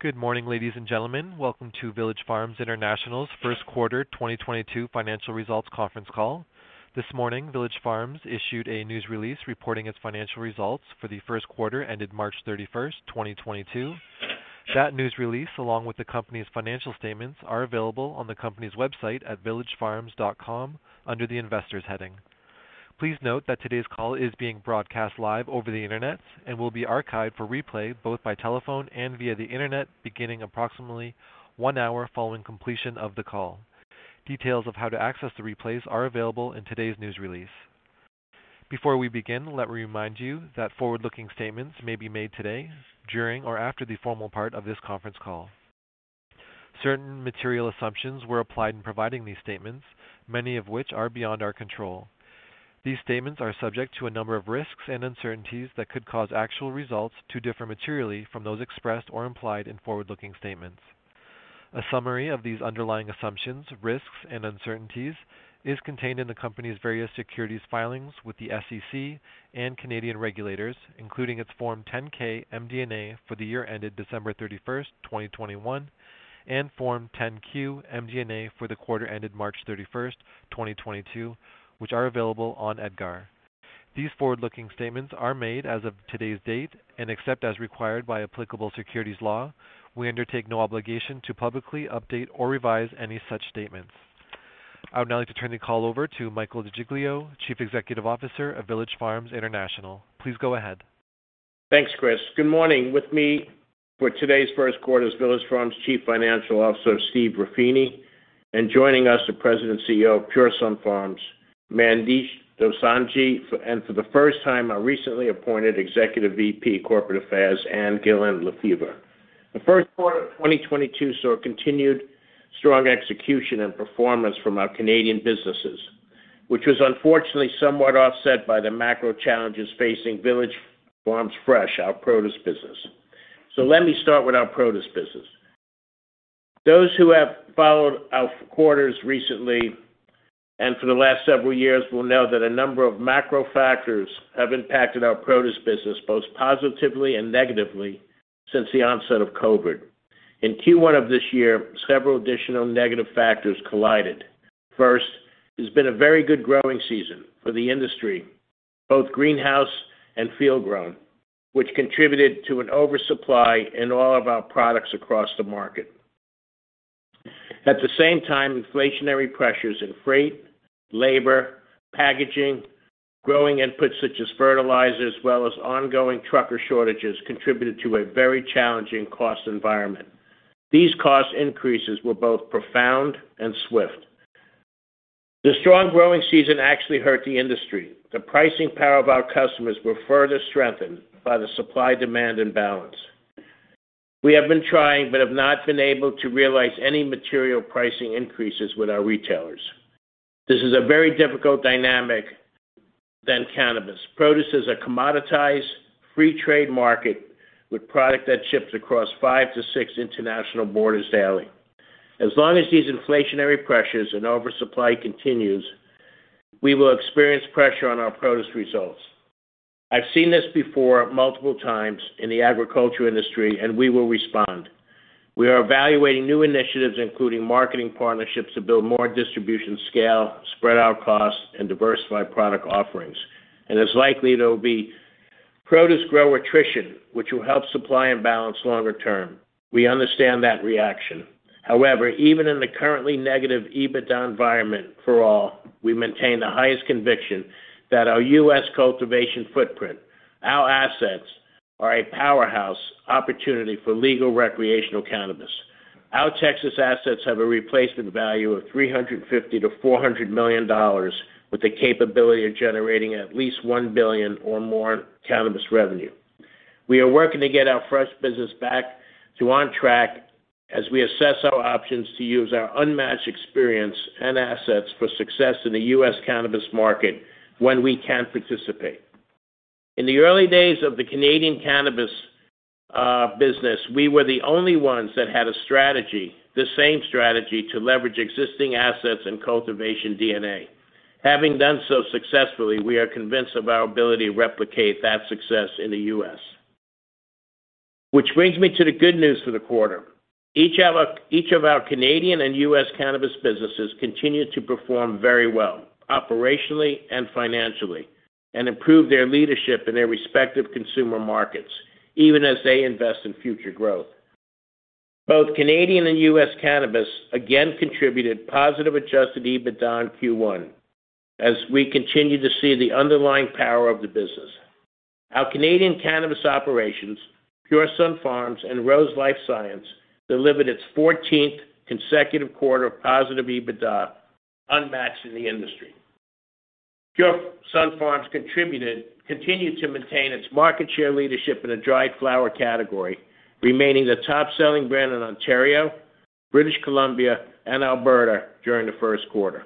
Good morning, ladies and gentlemen. Welcome to Village Farms International's Q1 2022 financial results Conference Call. This morning, Village Farms issued a news release reporting its financial results for the Q1 ended March 31, 2022. That news release, along with the company's financial statements, are available on the company's website at villagefarms.com under the Investors heading. Please note that today's call is being broadcast live over the Internet and will be archived for replay both by telephone and via the Internet beginning approximately one hour following completion of the call. Details of how to access the replays are available in today's news release. Before we begin, let me remind you that forward-looking statements may be made today during or after the formal part of this Conference Call. Certain material assumptions were applied in providing these statements, many of which are beyond our control. These statements are subject to a number of risks and uncertainties that could cause actual results to differ materially from those expressed or implied in forward-looking statements. A summary of these underlying assumptions, risks and uncertainties is contained in the company's various securities filings with the SEC and Canadian Regulators, including its Form 10-K, MD&A for the year ended December 31, 2021, and Form 10-Q, MD&A for the quarter ended March 31, 2022, which are available on EDGAR. These forward-looking statements are made as of today's date, and except as required by applicable securities law, we undertake no obligation to publicly update or revise any such statements. I'd now like to turn the call over to Michael DeGiglio, Chief Executive Officer of Village Farms International. Please go ahead. Thanks, Chris. Good morning. With me for today's Q1 is Village Farms Chief Financial Officer, Steve Ruffini, and joining us, the President CEO of Pure Sunfarms, Mandesh Dosanjh. For the first time, our recently appointed Executive VP Corporate Affairs, Ann Gillin Lefever. The Q1 2022 saw continued strong execution and performance from our Canadian businesses, which was unfortunately somewhat offset by the macro challenges facing Village Farms Fresh, our produce business. Let me start with our produce business. Those who have followed our quarters recently and for the last several years will know that a number of macro factors have impacted our produce business, both positively and negatively since the onset of Covid. In Q1 of this year, several additional negative factors collided. First, it's been a very good growing season for the industry, both greenhouse and field grown, which contributed to an oversupply in all of our products across the market. At the same time, inflationary pressures in freight, labor, packaging, growing inputs such as fertilizer, as well as ongoing trucker shortages contributed to a very challenging cost environment. These cost increases were both profound and swift. The strong growing season actually hurt the industry. The pricing power of our customers were further strengthened by the supply demand imbalance. We have been trying, but have not been able to realize any material pricing increases with our retailers. This is a very difficult dynamic than cannabis. Produce is a commoditized free trade market with product that ships across 5-6 international borders daily. As long as these inflationary pressures and oversupply continues, we will experience pressure on our produce results. I've seen this before multiple times in the agriculture industry and we will respond. We are evaluating new initiatives, including marketing partnerships, to build more distribution scale, spread out costs, and diversify product offerings. It's likely there will be produce grower attrition which will help supply and balance longer-term. We understand that reaction. However, even in the currently negative EBITDA environment for all, we maintain the highest conviction that our US cultivation footprint, our assets are a powerhouse opportunity for legal recreational cannabis. Our Texas assets have a replacement value of $350 million-$400 million, with the capability of generating at least $1 billion or more in cannabis revenue. We are working to get our fresh business back on track as we assess our options to use our unmatched experience and assets for success in the US cannabis market when we can participate. In the early days of the Canadian cannabis business, we were the only ones that had a strategy, the same strategy to leverage existing assets and cultivation DNA. Having done so successfully, we are convinced of our ability to replicate that success in the U.S. Which brings me to the good news for the quarter. Each of our Canadian and U.S. cannabis businesses continue to perform very well operationally and financially, and improve their leadership in their respective consumer markets even as they invest in future growth. Both Canadian and U.S. cannabis again contributed positive adjusted EBITDA in Q1 as we continue to see the underlying power of the business. Our Canadian cannabis operations, Pure Sunfarms and ROSE LifeScience, delivered its fourteenth consecutive quarter of positive EBITDA unmatched in the industry. Pure Sunfarms continued to maintain its market share leadership in the dried flower category, remaining the top-selling brand in Ontario, British Columbia and Alberta during the Q1.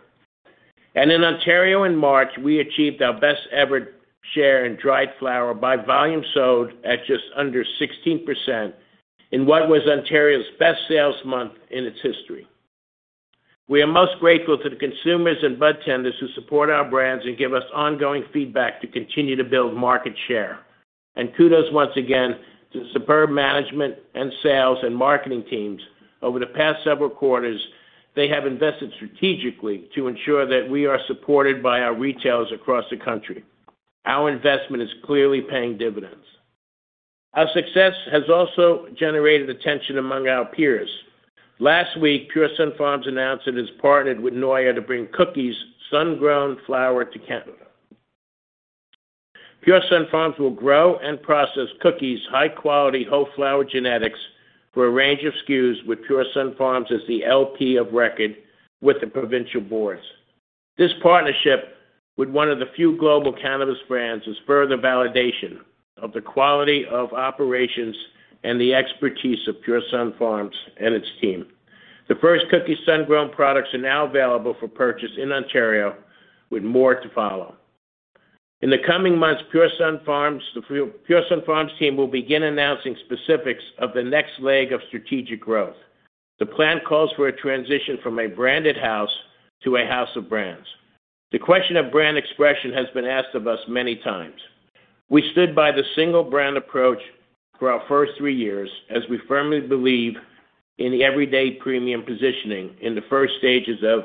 In Ontario in March, we achieved our best ever share in dried flower by volume sold at just under 16% in what was Ontario's best sales month in its history. We are most grateful to the consumers and bud tenders who support our brands and give us ongoing feedback to continue to build market share. Kudos once again to superb management and sales and marketing teams. Over the past several quarters, they have invested strategically to ensure that we are supported by our retailers across the country. Our investment is clearly paying dividends. Our success has also generated attention among our peers. Last week, Pure Sunfarms announced it has partnered with NOYA to bring Cookies sun-grown flower to Canada. Pure Sunfarms will grow and process Cookies' high-quality whole flower genetics for a range of SKUs with Pure Sunfarms as the LP of record with the provincial boards. This partnership with one of the few global cannabis brands is further validation of the quality of operations and the expertise of Pure Sunfarms and its team. The first Cookies sun-grown products are now available for purchase in Ontario, with more to follow. In the coming months, Pure Sunfarms, the Pure Sunfarms team will begin announcing specifics of the next leg of strategic growth. The plan calls for a transition from a branded house to a house of brands. The question of brand expression has been asked of us many times. We stood by the single-brand approach for our first three years, as we firmly believe in the everyday premium positioning in the first stages of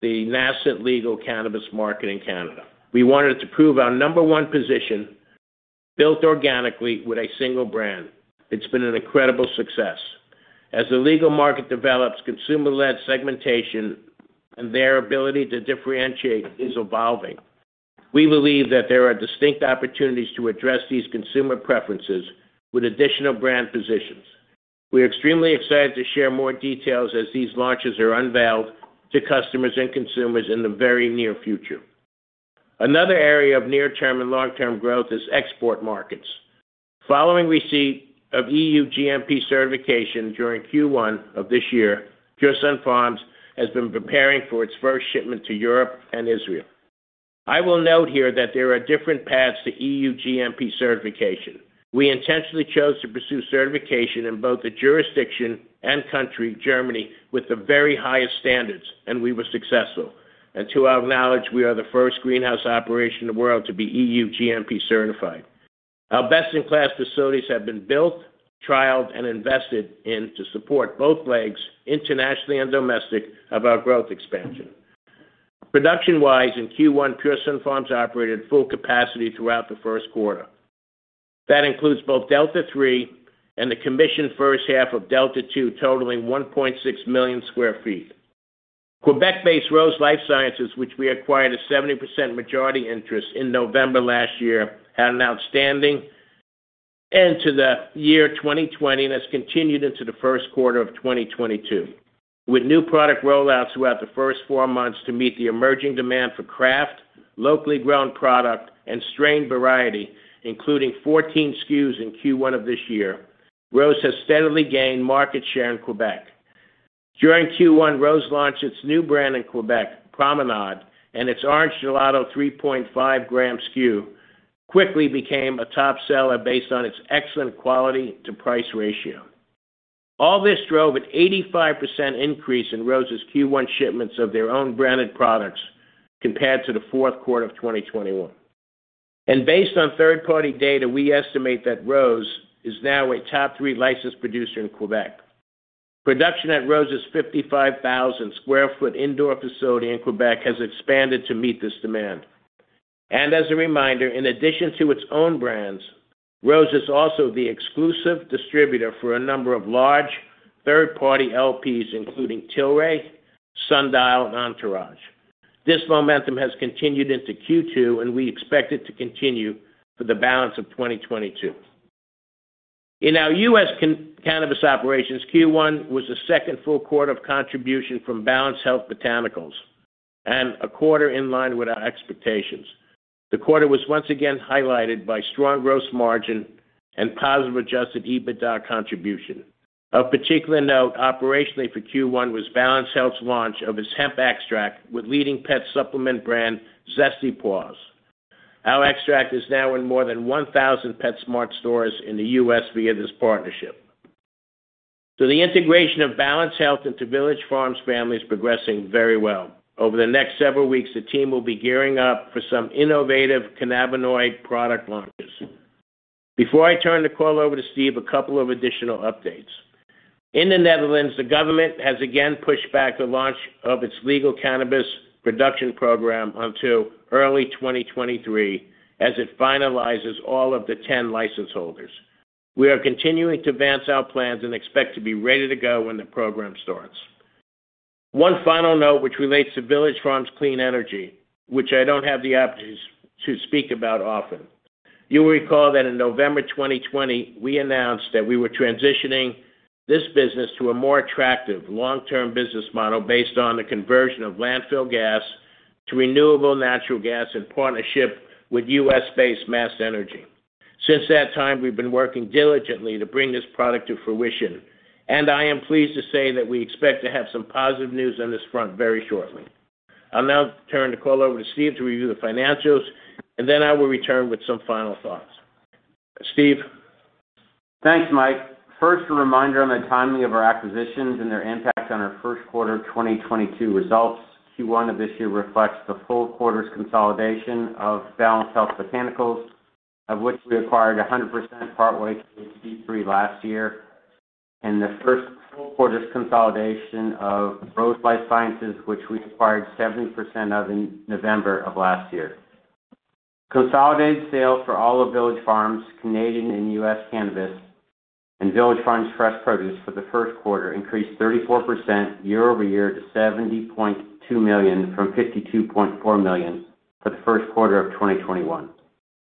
the nascent legal cannabis market in Canada. We wanted to prove our number one position built organically with a single-brand. It's been an incredible success. As the legal market develops, consumer-led segmentation and their ability to differentiate is evolving. We believe that there are distinct opportunities to address these consumer preferences with additional brand positions. We're extremely excited to share more details as these launches are unveiled to customers and consumers in the very near future. Another area of near-term and long-term growth is export markets. Following receipt of EU GMP certification during Q1 of this year, Pure Sunfarms has been preparing for its first shipment to Europe and Israel. I will note here that there are different paths to EU GMP certification. We intentionally chose to pursue certification in both the jurisdiction and country, Germany, with the very highest-standards, and we were successful. To our knowledge, we are the first greenhouse operation in the world to be EU GMP certified. Our best-in-class facilities have been built, trialed, and invested in to support both legs, internationally and domestically, of our growth expansion. Production-wise, in Q1, Pure Sunfarms operated full capacity throughout the Q1. That includes both Delta III and the commissioned first half of Delta II, totaling 1.6 million sq ft. Quebec-based ROSE LifeScience, which we acquired a 70% majority interest in November last year, had an outstanding end to the year 2020, and that's continued into the Q1 2022. With new product rollouts throughout the first four months to meet the emerging demand for craft, locally grown product, and strain variety, including 14 SKUs in Q1 of this year, ROSE has steadily gained market share in Québec. During Q1, ROSE launched its new brand in Québec, Promenade, and its Orange Gelato 3.5 gram SKU quickly became a top-seller based on its excellent quality-to-price ratio. All this drove an 85% increase in ROSE's Q1 shipments of their own branded products compared to the Q4 2021. Based on third-party data, we estimate that ROSE is now a top three licensed producer in Québec. Production at ROSE's 55,000 sq ft indoor facility in Québec has expanded to meet this demand. As a reminder, in addition to its own brands, ROSE is also the exclusive distributor for a number of large third-party LPs, including Tilray, Sundial, and Entourage Health. This momentum has continued into Q2, and we expect it to continue for the balance of 2022. In our U.S. cannabis operations, Q1 was the second full-quarter of contribution from Balanced Health Botanicals and a quarter in line with our expectations. The quarter was once again highlighted by strong gross margin and positive adjusted EBITDA contribution. Of particular note, operationally for Q1 was Balanced Health's launch of its hemp extract with leading pet supplement brand Zesty Paws. Our extract is now in more than 1,000 PetSmart stores in the U.S. via this partnership. The integration of Balanced Health into Village Farms family is progressing very well. Over the next several weeks, the team will be gearing up for some innovative cannabinoid product launches. Before I turn the call over to Steve, a couple of additional updates. In the Netherlands, the government has again pushed back the launch of its legal cannabis production program until early 2023 as it finalizes all of the 10 license holders. We are continuing to advance our plans and expect to be ready to go when the program starts. One final note which relates to Village Farms Clean Energy, which I don't have the opportunities to speak about often. You will recall that in November 2020, we announced that we were transitioning this business to a more attractive long-term business model based on the conversion of landfill gas to renewable natural gas in partnership with US-based Mas Energy. Since that time, we've been working diligently to bring this product to fruition, and I am pleased to say that we expect to have some positive news on this front very shortly. I'll now turn the call over to Steve to review the financials, and then I will return with some final thoughts. Steve? Thanks, Mike. First, a reminder on the timing of our acquisitions and their impact on our Q1 2022 results. Q1 of this year reflects the full-quarter's consolidation of Balanced Health Botanicals, of which we acquired 100% part way through Q3 last year. The first full-quarter's consolidation of ROSE LifeScience, which we acquired 70% of in November of last year. Consolidated sales for all of Village Farms, Canadian and US cannabis, and Village Farms fresh produce for the Q1 increased 34% year-over-year to $70.2 million from $52.4 million for the Q1 2021.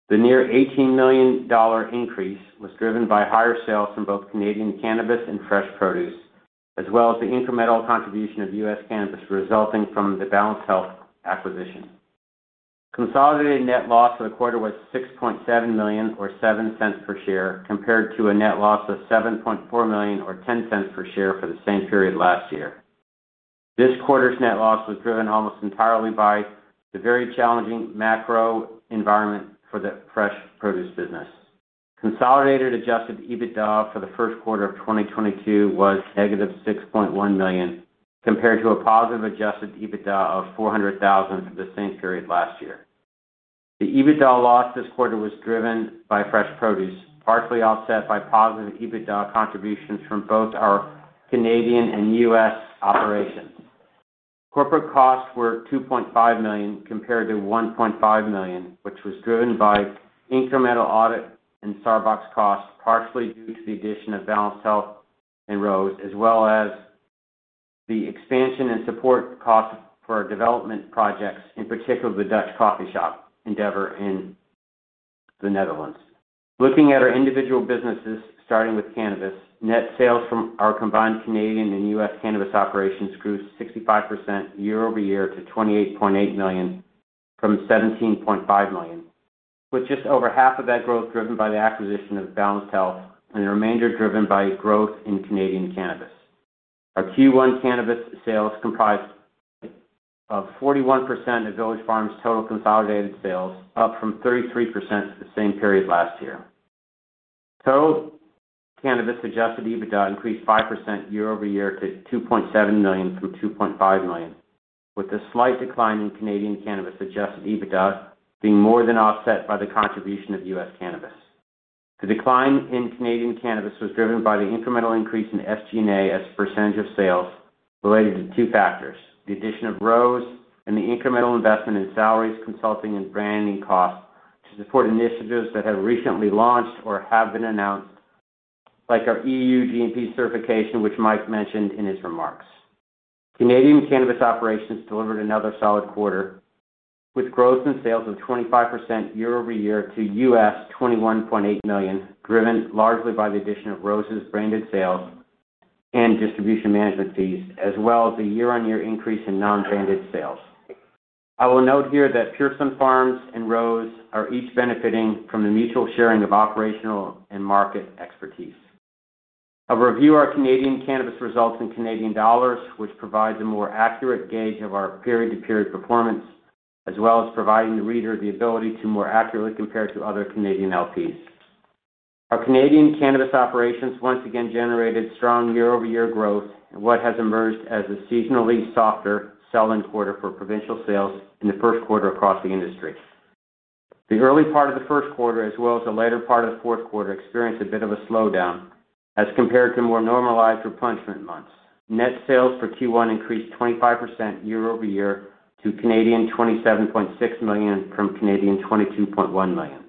The near $18 million increase was driven by higher-sales from both Canadian cannabis and fresh produce, as well as the incremental contribution of US cannabis resulting from the Balanced Health Botanicals acquisition. Consolidated net loss for the quarter was $6.7 million or $0.07 per share, compared to a net loss of $7.4 million or $0.10 per share for the same period last year. This quarter's net loss was driven almost entirely by the very challenging macro environment for the fresh produce business. Consolidated adjusted EBITDA for the Q1 2022 was -$6.1 million, compared to a positive adjusted EBITDA of $400,000 for the same period last year. The EBITDA loss this quarter was driven by fresh produce, partially offset by positive EBITDA contributions from both our Canadian and US operations. Corporate costs were $2.5 million compared to $1.5 million, which was driven by incremental audit and Sarbanes-Oxley costs, partially due to the addition of Balanced Health and ROSE, as well as the expansion and support costs for our development projects, in particular, the Dutch coffee shop endeavor in the Netherlands. Looking at our individual businesses, starting with cannabis, net sales from our combined Canadian and US cannabis operations grew 65% year-over-year to $28.8 million from $17.5 million, with just over half of that growth driven by the acquisition of Balanced Health and the remainder driven by growth in Canadian cannabis. Our Q1 cannabis sales comprised 41% of Village Farms total consolidated sales, up from 33% the same period last year. Total cannabis adjusted EBITDA increased 5% year-over-year to $2.7 million from $2.5 million, with a slight decline in Canadian cannabis adjusted EBITDA being more than offset by the contribution of US cannabis. The decline in Canadian cannabis was driven by the incremental increase in SG&A as a percentage of sales related to two factors, the addition of Rose and the incremental investment in salaries, consulting, and branding costs to support initiatives that have recently launched or have been announced, like our EU GMP certification, which Mike mentioned in his remarks. Canadian cannabis operations delivered another solid quarter, with growth in sales of 25% year-over-year to $21.8 million, driven largely by the addition of Rose's branded sales and distribution management fees, as well as a year-over-year increase in non-branded sales. I will note here that Pure Sunfarms and ROSE LifeScience are each benefiting from the mutual sharing of operational and market expertise. I'll review our Canadian cannabis results in Canadian dollars, which provides a more accurate gauge of our period-to-period performance, as well as providing the reader the ability to more accurately compare to other Canadian LPs. Our Canadian cannabis operations once again generated strong year-over-year growth in what has emerged as a seasonally softer selling quarter for provincial sales in the Q1 across the industry. The early part of the Q1 as well as the later part of the Q4, experienced a bit of a slowdown as compared to more normalized replenishment months. Net sales for Q1 increased 25% year-over-year to 27.6 million from 22.1 million.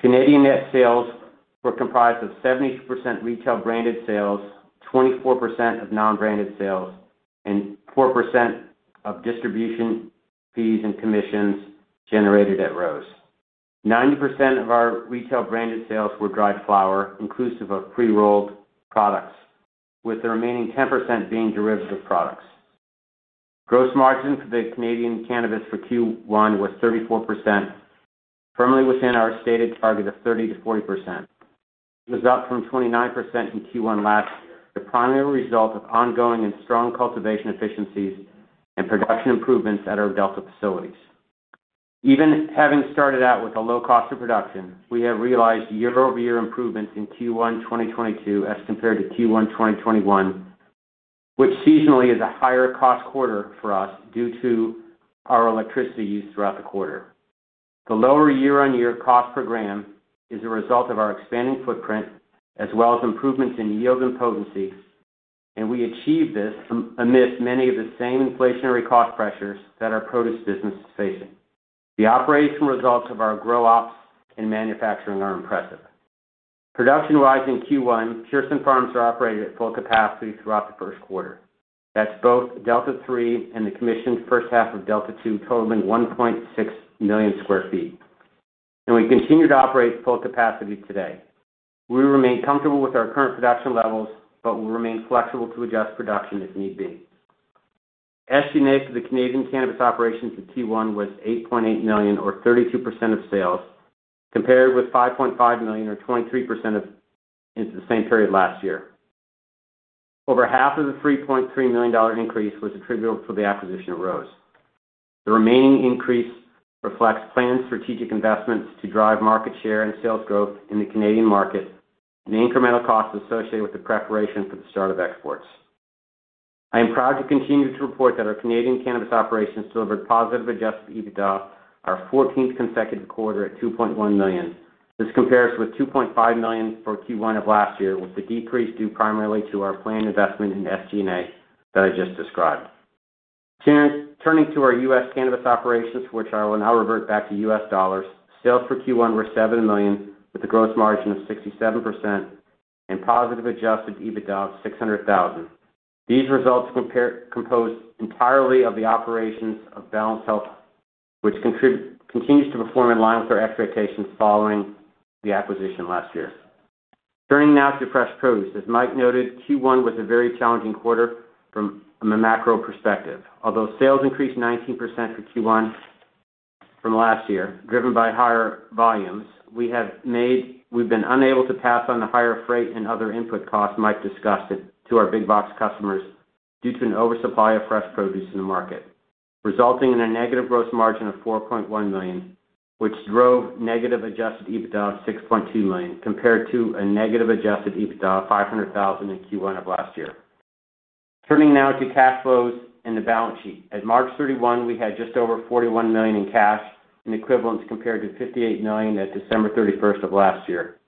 Canadian net sales were comprised of 70% retail branded sales, 24% of non-branded sales, and 4% of distribution fees and commissions generated at ROSE. 90% of our retail branded sales were dried flower, inclusive of pre-rolled products, with the remaining 10% being derivative products. Gross margin for the Canadian cannabis for Q1 was 34%, firmly within our stated target of 30%-40%. It was up from 29% in Q1 last year, the primary result of ongoing and strong cultivation efficiencies and production improvements at our Delta facilities. Even having started out with a low cost of production, we have realized year-over-year improvements in Q1 2022 as compared to Q1 2021, which seasonally is a higher-cost quarter for us due to our electricity use throughout the quarter. The lower year-on-year cost per gram is a result of our expanding footprint as well as improvements in yield and potency, and we achieved this amidst many of the same inflationary cost pressures that our produce business is facing. The operational results of our grow ops and manufacturing are impressive. Production-wise in Q1, Pure Sunfarms is operating at full capacity throughout the Q1. That's both Delta III and the commissioned first half of Delta II totaling 1.6 million sq ft. We continue to operate at full capacity today. We remain comfortable with our current production levels, but will remain flexible to adjust production if need be. SG&A for the Canadian cannabis operations in Q1 was 8.8 million or 32% of sales, compared with 5.5 million or 23% of sales in the same period last year. Over half of the 3.3 million dollar increase was attributable to the acquisition of ROSE. The remaining increase reflects planned strategic investments to drive market share and sales growth in the Canadian market and the incremental costs associated with the preparation for the start of exports. I am proud to continue to report that our Canadian cannabis operations delivered positive adjusted EBITDA, our fourteenth consecutive quarter at 2.1 million. This compares with 2.5 million for Q1 of last year, with the decrease due primarily to our planned investment in SG&A that I just described. Turning to our US cannabis operations, which I will now revert back to US dollars. Sales for Q1 were $7 million, with a gross margin of 67% and positive adjusted EBITDA of $600,000. These results compose entirely of the operations of Balanced Health, which continues to perform in line with our expectations following the acquisition last year. Turning now to fresh produce. As Mike noted, Q1 was a very challenging quarter from a macro perspective. Although sales increased 19% for Q1 from last year, driven by higher-volumes, we've been unable to pass on the higher-freight and other input costs Mike discussed it to our big box customers due to an oversupply of fresh produce in the market, resulting in a negative gross margin of $4.1 million, which drove negative adjusted EBITDA of $6.2 million, compared to a negative adjusted EBITDA of $500,000 in Q1 of last year. Turning now to cash flows and the balance sheet. At March 31, we had just over $41 million in cash and equivalents, compared to $58 million at December 31 of last year.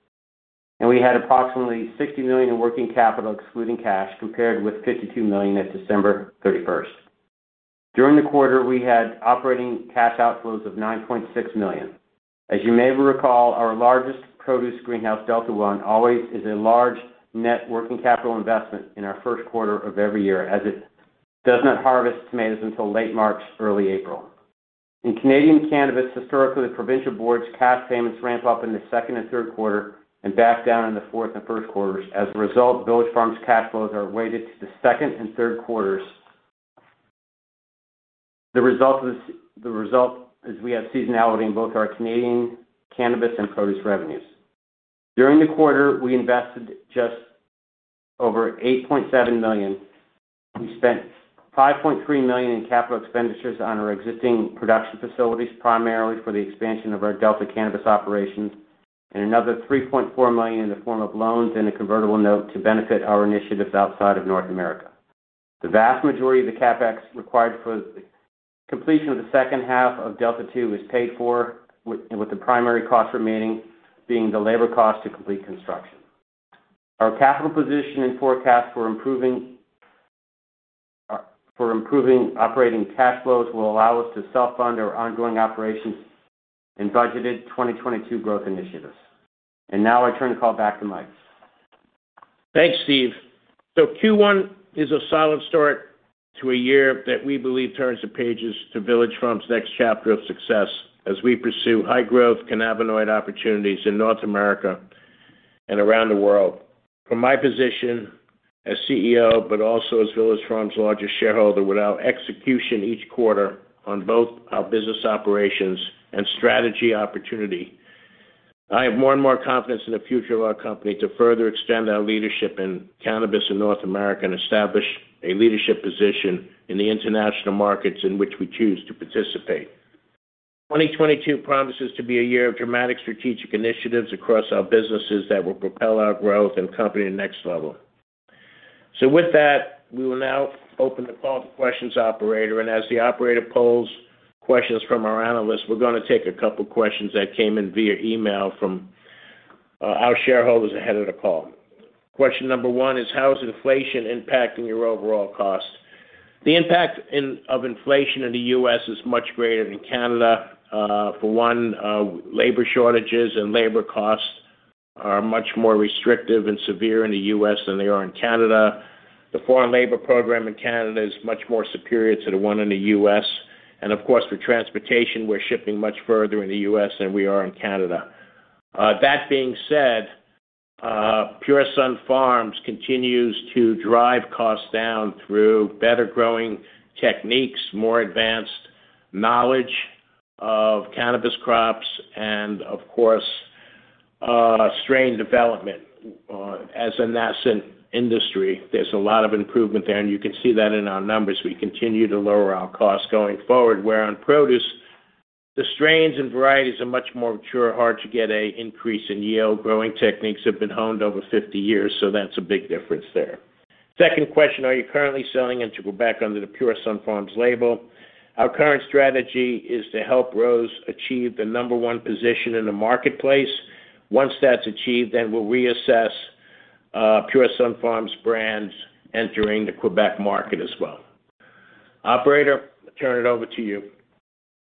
We had approximately $60 million in working capital excluding cash, compared with $52 million at December 31. During the quarter, we had operating cash outflows of $9.6 million. As you may recall, our largest produce greenhouse, Delta One, always is a large net working capital investment in our Q1 of every year, as it does not harvest tomatoes until late March, early April. In Canadian cannabis, historically, provincial boards cash payments ramp up in the second and Q3 and back down in the Q4 and Q1. As a result, Village Farms International cash flows are weighted to the second and Q3. The result is we have seasonality in both our Canadian cannabis and produce revenues. During the quarter, we invested just over $8.7 million. We spent $5.3 million in capital expenditures on our existing production facilities, primarily for the expansion of our Delta cannabis operations, and another $3.4 million in the form of loans and a convertible note to benefit our initiatives outside of North America. The vast majority of the CapEx required for the completion of the second half of Delta Two was paid for with the primary cost remaining being the labor cost to complete construction. Our capital position and forecast for improving operating cash flows will allow us to self-fund our ongoing operations and budgeted 2022 growth initiatives. Now I turn the call back to Mike. Thanks, Steve. Q1 is a solid start to a year that we believe turns the pages to Village Farms' next chapter of success as we pursue high-growth cannabinoid opportunities in North America and around the world. From my position as CEO, but also as Village Farms' largest shareholder, with our execution each quarter on both our business operations and strategy opportunity, I have more and more confidence in the future of our company to further extend our leadership in cannabis in North America and establish a leadership position in the international markets in which we choose to participate. 2022 promises to be a year of dramatic strategic initiatives across our businesses that will propel our growth and company to the next level. With that, we will now open the call to questions, operator, and as the operator polls questions from our analysts, we're gonna take a couple questions that came in via email from our shareholders ahead of the call. Question number 1 is how is inflation impacting your overall cost? The impact of inflation in the US is much greater than Canada. For one, labor shortages and labor costs are much more restrictive and severe in the US than they are in Canada. The foreign labor program in Canada is much more superior to the one in the US. And of course, for transportation, we're shipping much further in the US than we are in Canada. That being said, Pure Sunfarms continues to drive costs down through better growing techniques, more advanced knowledge of cannabis crops, and of course, strain development. As a nascent industry, there's a lot of improvement there, and you can see that in our numbers. We continue to lower our costs going forward. Where on produce, the strains and varieties are much more mature, hard to get an increase in yield. Growing techniques have been honed over 50 years, so that's a big difference there. Second question, are you currently selling into Quebec under the Pure Sunfarms label? Our current strategy is to help ROSE achieve the number one position in the marketplace. Once that's achieved, then we'll reassess, Pure Sunfarms brands entering the Quebec market as well. Operator, I turn it over to you.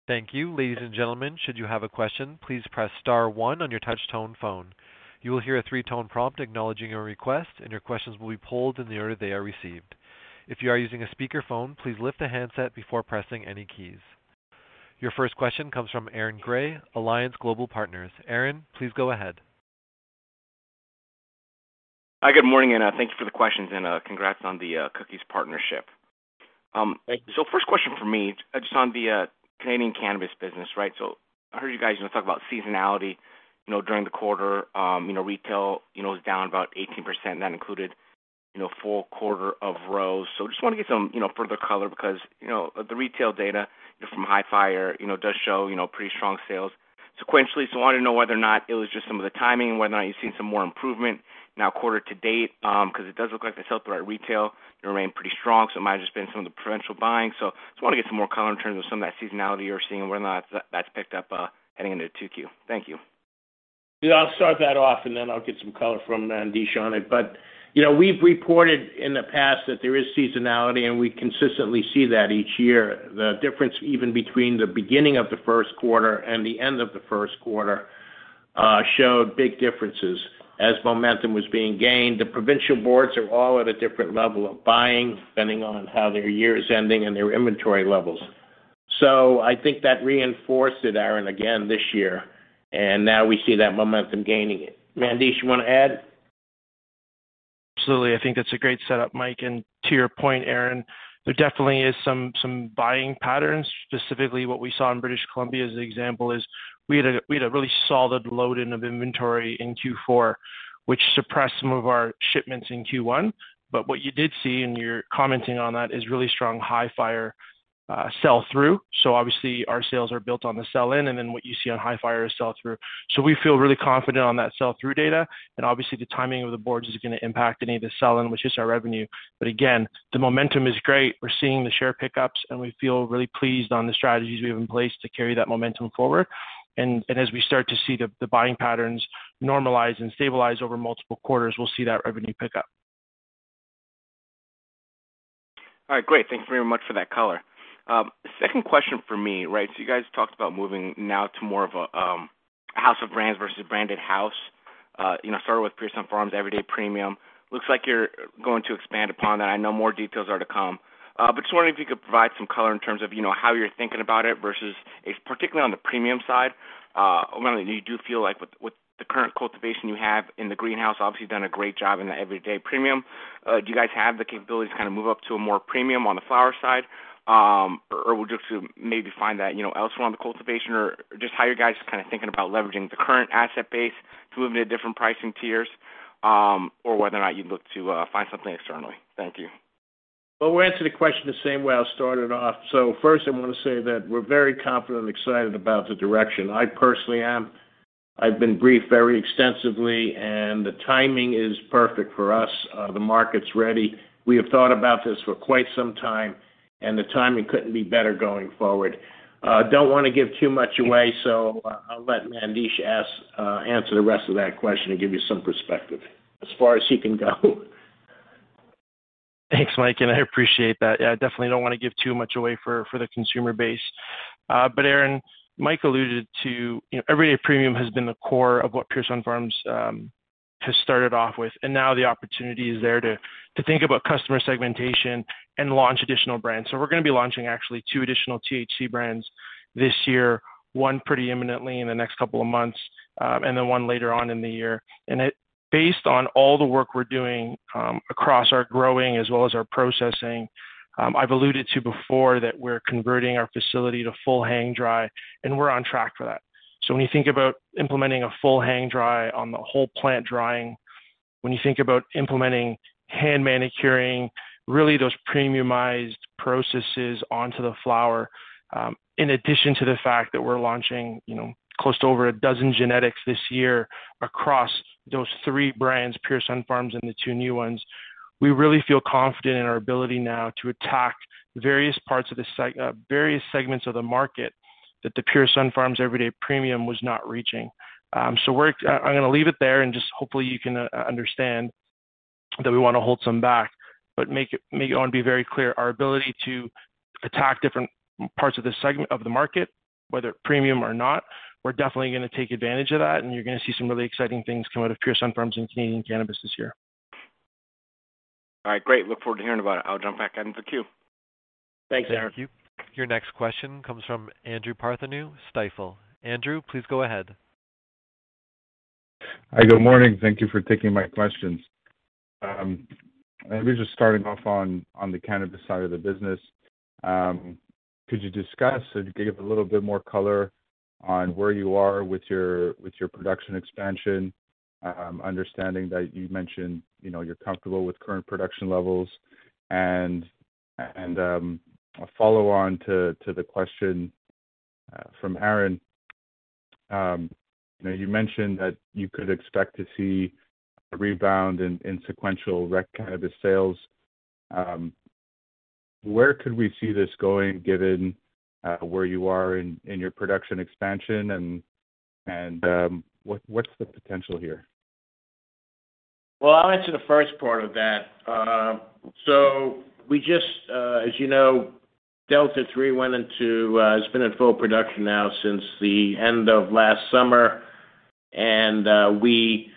Thank you. Ladies and gentlemen, should you have a question, please press star one on your touch-tone phone. You will hear a three-tone prompt acknowledging your request, and your questions will be polled in the order they are received. If you are using a speakerphone, please lift the handset before pressing any keys. Your first question comes from Aaron Grey, Alliance Global Partners. Aaron, please go ahead. Hi, good morning, and thank you for the questions and congrats on the Cookies partnership. First question for me, just on the Canadian cannabis business, right? I heard you guys, you know, talk about seasonality, you know, during the quarter. You know, retail, you know, is down about 18%, and that included, you know, full-quarter of ROSE. Just wanna get some, you know, further color because, you know, the retail data from Hifyre, you know, does show, you know, pretty strong sales sequentially. I wanted to know whether or not it was just some of the timing and whether or not you've seen some more improvement now quarter to date, 'cause it does look like the sell-through at retail remain pretty strong, so it might have just been some of the provincial buying. Just wanna get some more color in terms of some of that seasonality you're seeing and whether or not that's picked up, heading into 2Q. Thank you. Yeah, I'll start that off, and then I'll get some color from Mandesh on it. You know, we've reported in the past that there is seasonality, and we consistently see that each year. The difference even between the beginning of the Q1 and the end of the Q1 showed big differences as momentum was being gained. The provincial boards are all at a different level of buying, depending on how their year is ending and their inventory levels. I think that reinforced it, Aaron, again this year, and now we see that momentum gaining. Mandesh, you wanna add? Absolutely. I think that's a great setup, Mike. To your point, Aaron, there definitely is some buying patterns. Specifically, what we saw in British Columbia as an example is we had a really solid load in of inventory in Q4, which suppressed some of our shipments in Q1. What you did see, and you're commenting on that, is really strong Hifyre sell-through. Obviously, our sales are built on the sell-in, and then what you see on Hifyre is sell-through. We feel really confident on that sell-through data, and obviously, the timing of the boards is gonna impact any of the sell-in, which is our revenue. Again, the momentum is great. We're seeing the share pickups, and we feel really pleased on the strategies we have in place to carry that momentum forward. As we start to see the buying patterns normalize and stabilize over multiple quarters, we'll see that revenue pick up. All right, great. Thank you very much for that color. Second question for me, right? You guys talked about moving now to more of a house of brands versus branded house. You know, started with Pure Sunfarms Everyday Premium. Looks like you're going to expand upon that. I know more details are to come. Just wondering if you could provide some color in terms of, you know, how you're thinking about it versus if, particularly on the premium side, whether you do feel like with the current cultivation you have in the greenhouse, obviously you've done a great job in the Everyday Premium. Do you guys have the capabilities to kind of move up to a more premium on the flower side? Or would you maybe find that, you know, elsewhere on the cultivation? Just how you guys just kind of thinking about leveraging the current asset base to move into different pricing tiers, or whether or not you'd look to find something externally? Thank you. Well, we'll answer the question the same way I started off. First, I wanna say that we're very confident and excited about the direction. I personally am. I've been briefed very extensively, and the timing is perfect for us. The market's ready. We have thought about this for quite some time, and the timing couldn't be better going forward. Don't wanna give too much away, so I'll let Mandesh answer the rest of that question and give you some perspective as far as he can go. Thanks, Mike, and I appreciate that. Yeah, I definitely don't wanna give too much away for the consumer base. But Aaron, Mike alluded to, you know, Everyday Premium has been the core of what Pure Sunfarms has started off with, and now the opportunity is there to think about customer segmentation and launch additional brands. We're gonna be launching actually two additional THC brands this year, one pretty imminently in the next couple of months, and then one later on in the year. Based on all the work we're doing across our growing as well as our processing, I've alluded to before that we're converting our facility to full hang dry, and we're on track for that. When you think about implementing a full hang dry on the whole plant drying, when you think about implementing hand manicuring, really those premiumized processes onto the flower, in addition to the fact that we're launching, you know, close to over a dozen genetics this year across those three brands, Pure Sunfarms and the two new ones, we really feel confident in our ability now to attack various parts of various segments of the market that the Pure Sunfarms Everyday Premium was not reaching. I'm gonna leave it there, and just hopefully you can understand that we wanna hold some back. I wanna be very clear, our ability to attack different parts of this segment of the market, whether premium or not, we're definitely gonna take advantage of that, and you're gonna see some really exciting things come out of Pure Sunfarms and Canadian Cannabis this year. All right, great. Look forward to hearing about it. I'll jump back out in the queue. Thanks, Aaron. Thank you. Your next question comes from Andrew Partheniou, Stifel. Andrew, please go ahead. Hi, good morning. Thank you for taking my questions. Maybe just starting off on the cannabis side of the business. Could you discuss or give a little bit more color on where you are with your production expansion? Understanding that you mentioned, you know, you're comfortable with current production levels. A follow-on to the question from Aaron. You know, you mentioned that you could expect to see a rebound in sequential rec cannabis sales. Where could we see this going, given where you are in your production expansion and what's the potential here? Well, I'll answer the first part of that. We just, as you know, Delta-III has been in full production now since the end of last summer. We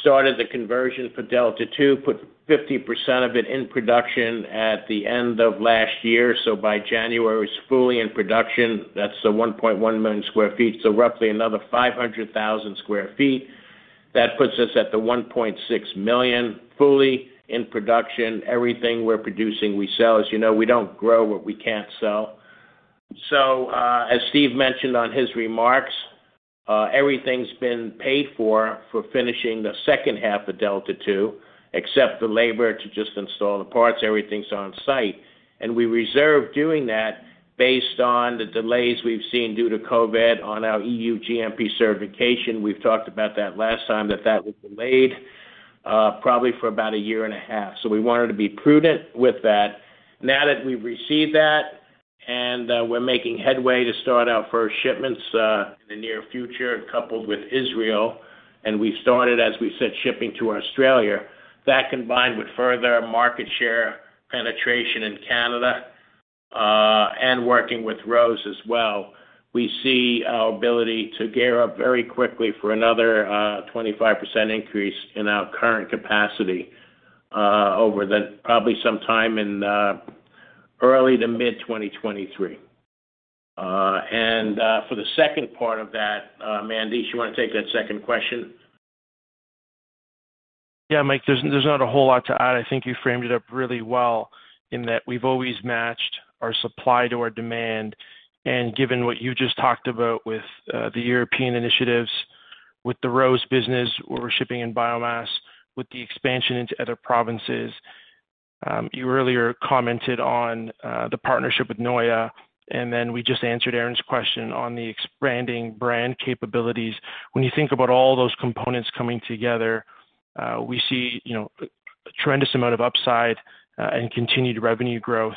started the conversion for Delta-II, put 50% of it in production at the end of last year. By January, it's fully in production. That's the 1.1 million sq ft, so roughly another 500,000 sq ft. That puts us at the 1.6 million fully in production. Everything we're producing, we sell. As you know, we don't grow what we can't sell. As Steve mentioned on his remarks, everything's been paid for finishing the second half of Delta Two, except the labor to just install the parts, everything's on site. We reserve doing that based on the delays we've seen due to COVID on our EU GMP certification. We've talked about that last time that was delayed, probably for about a year and a half. We wanted to be prudent with that. Now that we've received that and we're making headway to start our first shipments in the near future coupled with Israel, and we started, as we said, shipping to Australia, that combined with further market share penetration in Canada and working with Rose as well, we see our ability to gear up very quickly for another 25% increase in our current capacity over the probably sometime in early to mid-2023. For the second part of that, Mandesh, you wanna take that second question? Yeah, Mike, there's not a whole lot to add. I think you framed it up really well in that we've always matched our supply to our demand. Given what you just talked about with the European initiatives, with the ROSE business, where we're shipping in biomass, with the expansion into other provinces, you earlier commented on the partnership with NOYA, and then we just answered Aaron's question on the expanding brand capabilities. When you think about all those components coming together, we see, you know, a tremendous amount of upside and continued revenue growth.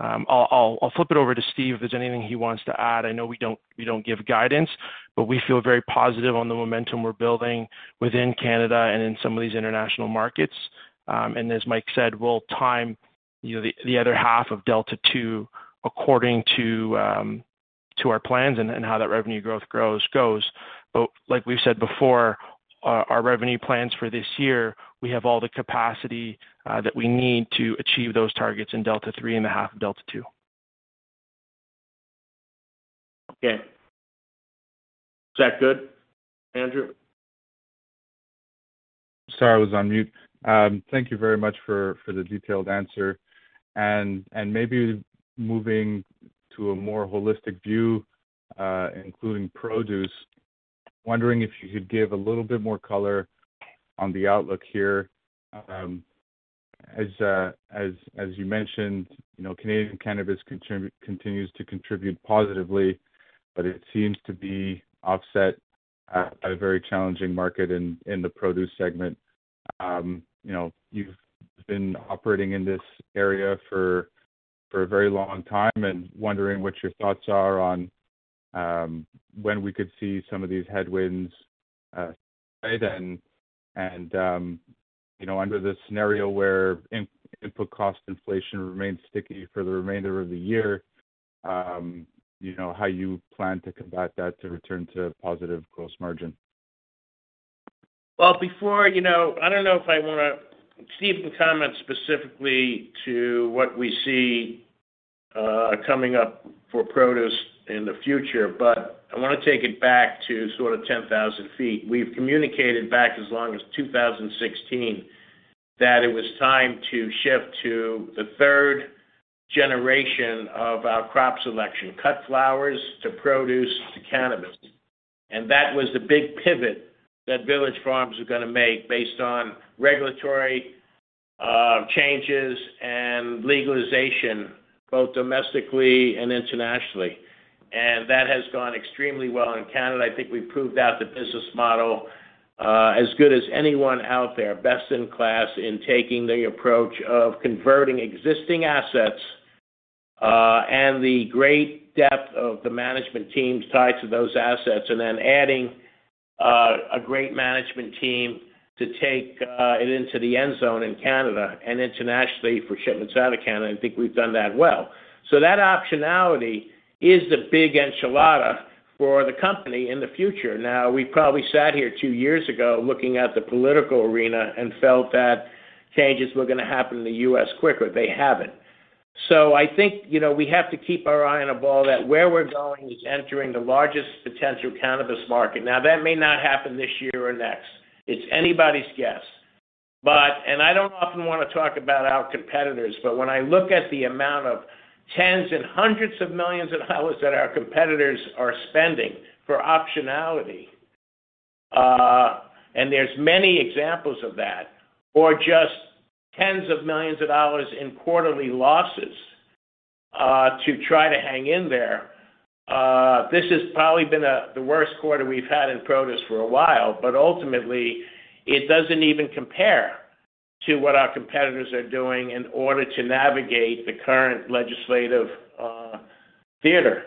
I'll flip it over to Steve if there's anything he wants to add. I know we don't give guidance, but we feel very positive on the momentum we're building within Canada and in some of these international markets. As Mike said, we'll time the other half of Delta Two according to our plans and how that revenue growth goes. Like we've said before, our revenue plans for this year. We have all the capacity that we need to achieve those targets in Delta Three and the half of Delta Two. Okay. Is that good, Andrew? Sorry, I was on mute. Thank you very much for the detailed answer. Maybe moving to a more holistic view, including produce, wondering if you could give a little bit more color on the outlook here. As you mentioned, you know, Canadian cannabis continues to contribute positively, but it seems to be offset at a very challenging market in the produce segment. You know, you've been operating in this area for a very long time and wondering what your thoughts are on when we could see some of these headwinds. You know, under the scenario where input cost inflation remains sticky for the remainder of the year, you know, how you plan to combat that to return to positive gross margin. Well, before, you know, I don't know if I wanna. Steve can comment specifically to what we see coming up for produce in the future, but I wanna take it back to sort of ten thousand feet. We've communicated back as long as 2016 that it was time to shift to the third generation of our crop selection, cut flowers to produce to cannabis. That was the big pivot that Village Farms was gonna make based on regulatory changes and legalization, both domestically and internationally. That has gone extremely well in Canada. I think we've proved out the business model as good as anyone out there, best in class in taking the approach of converting existing assets and the great depth of the management team tied to those assets, and then adding a great management team to take it into the end zone in Canada and internationally for shipments out of Canada. I think we've done that well. That optionality is the big enchilada for the company in the future. Now, we probably sat here two years ago looking at the political arena and felt that changes were gonna happen in the U.S. quicker. They haven't. I think, you know, we have to keep our eye on the ball that where we're going is entering the largest potential cannabis market. Now, that may not happen this year or next. It's anybody's guess. I don't often wanna talk about our competitors, but when I look at the amount of 10s and 100s of millions of dollars that our competitors are spending for optionality, and there's many examples of that, or just $10s of millions in quarterly losses, to try to hang in there, this has probably been the worst quarter we've had in produce for a while, but ultimately, it doesn't even compare to what our competitors are doing in order to navigate the current legislative theater.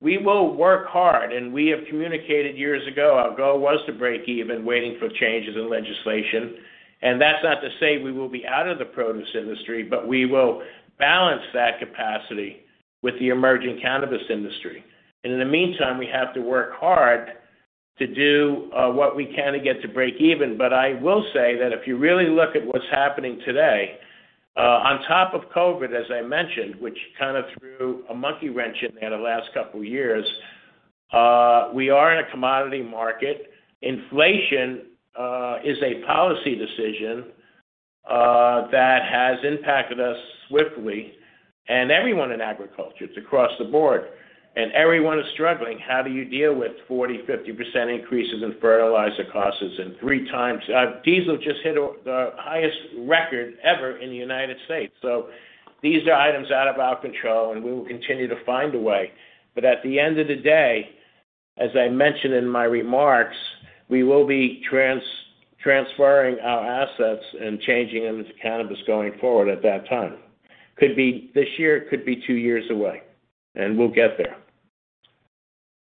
We will work hard, and we have communicated years ago our goal was to break even waiting for changes in legislation. That's not to say we will be out of the produce industry, but we will balance that capacity with the emerging cannabis industry. In the meantime, we have to work hard to do what we can to get to break even. I will say that if you really look at what's happening today, on top of COVID, as I mentioned, which kind of threw a monkey wrench in there the last couple of years, we are in a commodity market. Inflation is a policy decision that has impacted us swiftly and everyone in agriculture. It's across the board, and everyone is struggling. How do you deal with 40, 50% increases in fertilizer costs and three times diesel just hit the highest record ever in the United States. These are items out of our control, and we will continue to find a way. At the end of the day, as I mentioned in my remarks, we will be transferring our assets and changing them to cannabis going forward at that time. Could be this year, could be two years away, and we'll get there.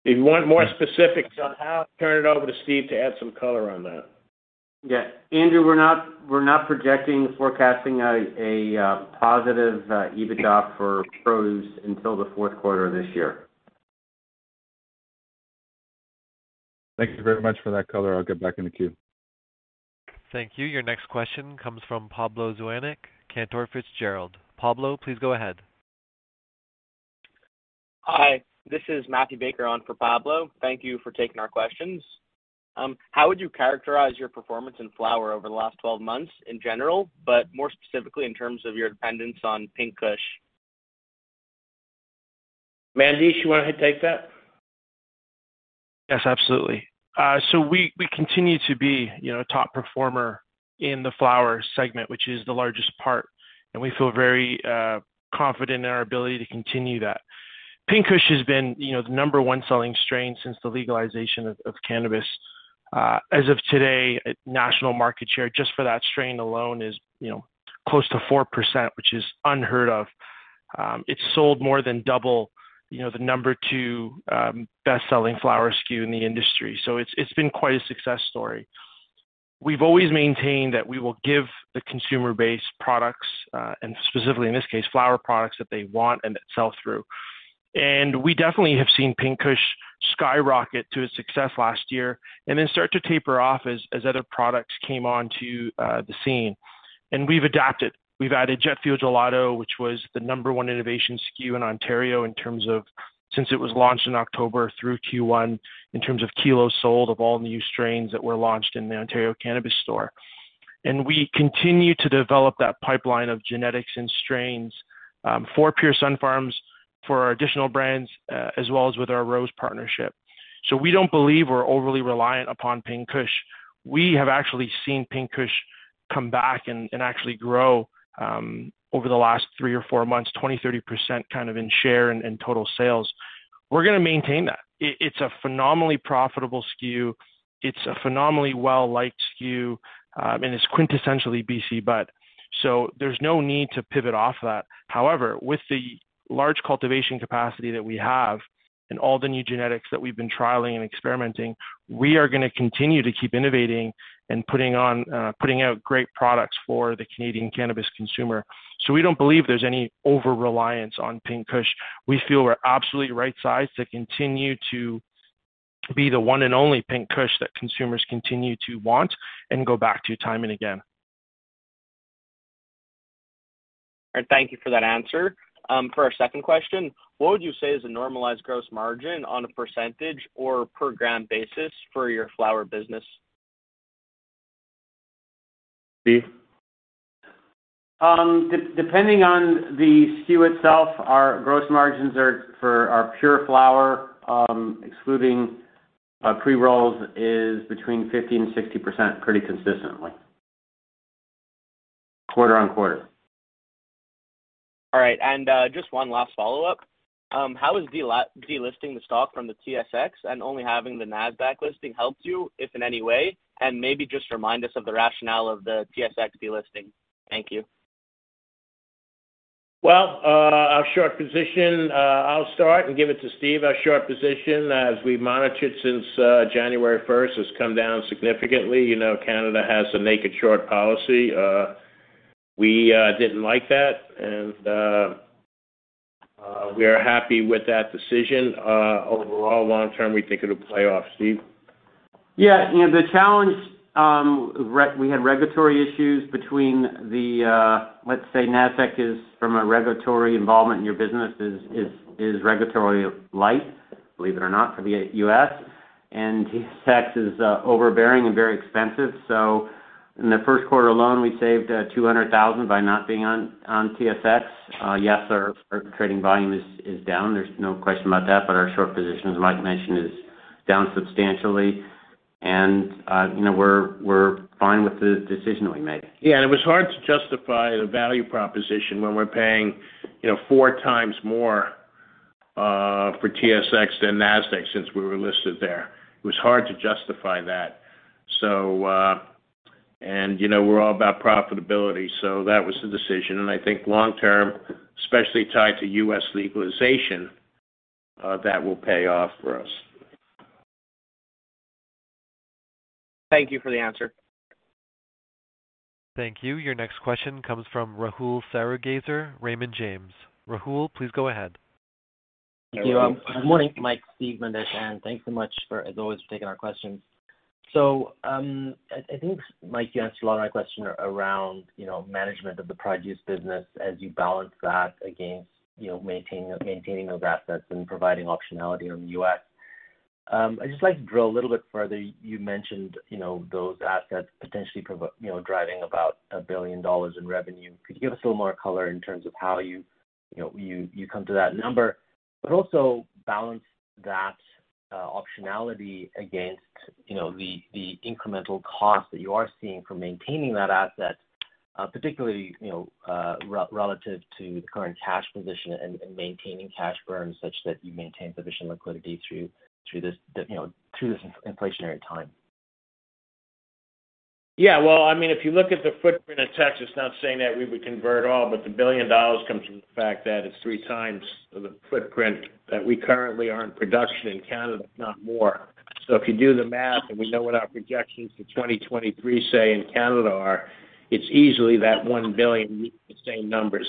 If you want more specifics on how, turn it over to Steve to add some color on that. Yeah. Andrew, we're not projecting, forecasting a positive EBITDA for Pure Sunfarms until the Q4 this year. Thank you very much for that color. I'll get back in the queue. Thank you. Your next question comes from Pablo Zuanic, Cantor Fitzgerald. Pablo, please go ahead. Hi, this is Matthew Baker on for Pablo. Thank you for taking our questions. How would you characterize your performance in flower over the last 12 months in general, but more specifically in terms of your dependence on Pink Kush? Mandesh, do you wanna take that? Yes, absolutely. So we continue to be, you know, a top-performer in the flower segment, which is the largest part, and we feel very confident in our ability to continue that. Pink Kush has been, you know, the number one selling strain since the legalization of cannabis. As of today, national market share just for that strain alone is, you know, close to 4%, which is unheard of. It's sold more than double, you know, the number two best-selling flower SKU in the industry. It's been quite a success story. We've always maintained that we will give the consumer base products, and specifically in this case, flower products, that they want and that sell through. We definitely have seen Pink Kush skyrocket to its success last year and then start to taper off as other products came onto the scene. We've adapted. We've added Jet Fuel Gelato, which was the number one innovation SKU in Ontario in terms of since it was launched in October through Q1, in terms of kilos sold of all new strains that were launched in the Ontario Cannabis Store. We continue to develop that pipeline of genetics and strains for Pure Sunfarms, for our additional brands, as well as with our ROSE partnership. We don't believe we're overly reliant upon Pink Kush. We have actually seen Pink Kush come back and actually grow over the last three or four months, 20%-30% kind of in share and total sales. We're gonna maintain that. It's a phenomenally profitable SKU. It's a phenomenally well-liked SKU. And it's quintessentially BC Bud. There's no need to pivot off that. However, with the large cultivation capacity that we have and all the new genetics that we've been trialing and experimenting, we are gonna continue to keep innovating and putting out great products for the Canadian cannabis consumer. We don't believe there's any over-reliance on Pink Kush. We feel we're absolutely right-sized to continue to be the one and only Pink Kush that consumers continue to want and go back to time and again. All right. Thank you for that answer. For our second question, what would you say is a normalized gross margin on a percentage or per gram basis for your flower business? Steve. Depending on the SKU itself, our gross margins are, for our pure flower, excluding pre-rolls, between 50% and 60% pretty consistently quarter-on-quarter. All right. Just one last follow-up. How has delisting the stock from the TSX and only having the Nasdaq listing helped you, if in any way? Maybe just remind us of the rationale of the TSX delisting. Thank you. Well, our short-position, I'll start and give it to Steve. Our short-position, as we monitored since January first, has come down significantly. You know, Canada has a naked short-policy. We didn't like that, and we are happy with that decision. Overall long-term, we think it'll pay off. Steve. Yeah. You know, the challenge, we had regulatory issues between the, let's say, Nasdaq, from a regulatory involvement in your business, is regulatory light, believe it or not, for the US. TSX is overbearing and very expensive. In the Q1 alone, we saved $200,000 by not being on TSX. Yes, our trading volume is down. There's no question about that. Our short-position, as Mike mentioned, is down substantially. You know, we're fine with the decision we made. Yeah. It was hard to justify the value proposition when we're paying, you know, four times more for TSX than Nasdaq since we were listed there. It was hard to justify that. We're all about profitability. That was the decision. I think long-term, especially tied to U.S. legalization, that will pay off for us. Thank you for the answer. Thank you. Your next question comes from Rahul Sarugaser, Raymond James. Rahul, please go ahead. Thank you. Good morning, Michael, Steve, Mandesh, and thanks so much for, as always, for taking our questions. I think, Michael, you answered a lot of my question around, you know, management of the produce business as you balance that against, you know, maintaining those assets and providing optionality in the U.S. I'd just like to drill a little bit further. You mentioned, you know, those assets potentially, you know, driving about $1 billion in revenue. Could you give us a little more color in terms of how you know you come to that number, but also balance that optionality against, you know, the incremental cost that you are seeing from maintaining that asset, particularly, you know, relative to the current cash position and maintaining cash burns such that you maintain sufficient liquidity through this, you know, through this inflationary time? Yeah. Well, I mean, if you look at the footprint of Texas, not saying that we would convert all, but the $1 billion comes from the fact that it's three times the footprint that we currently are in production in Canada, if not more. If you do the math, and we know what our projections for 2023, say, in Canada are, it's easily that $1 billion using the same numbers.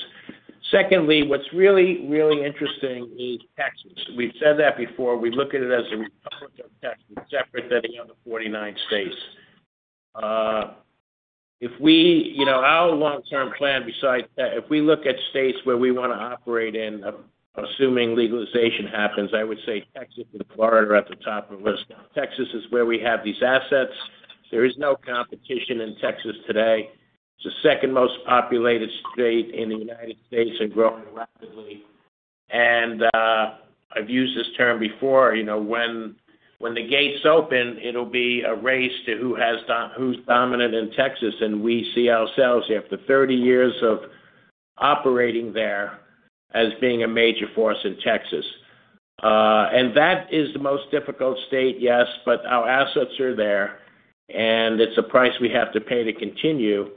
Secondly, what's really, really interesting is Texas. We've said that before. We look at it as the Republic of Texas, separate than the other 49 states. You know, our long-term plan besides that, if we look at states where we wanna operate in, assuming legalization happens, I would say Texas and Florida are at the top of the list. Now, Texas is where we have these assets. There is no competition in Texas today. It's the second most populated state in the United States and growing rapidly. I've used this term before, you know, when the gates open, it'll be a race to who's dominant in Texas, and we see ourselves, after 30 years of operating there, as being a major force in Texas. That is the most difficult state, yes, but our assets are there, and it's a price we have to pay to continue.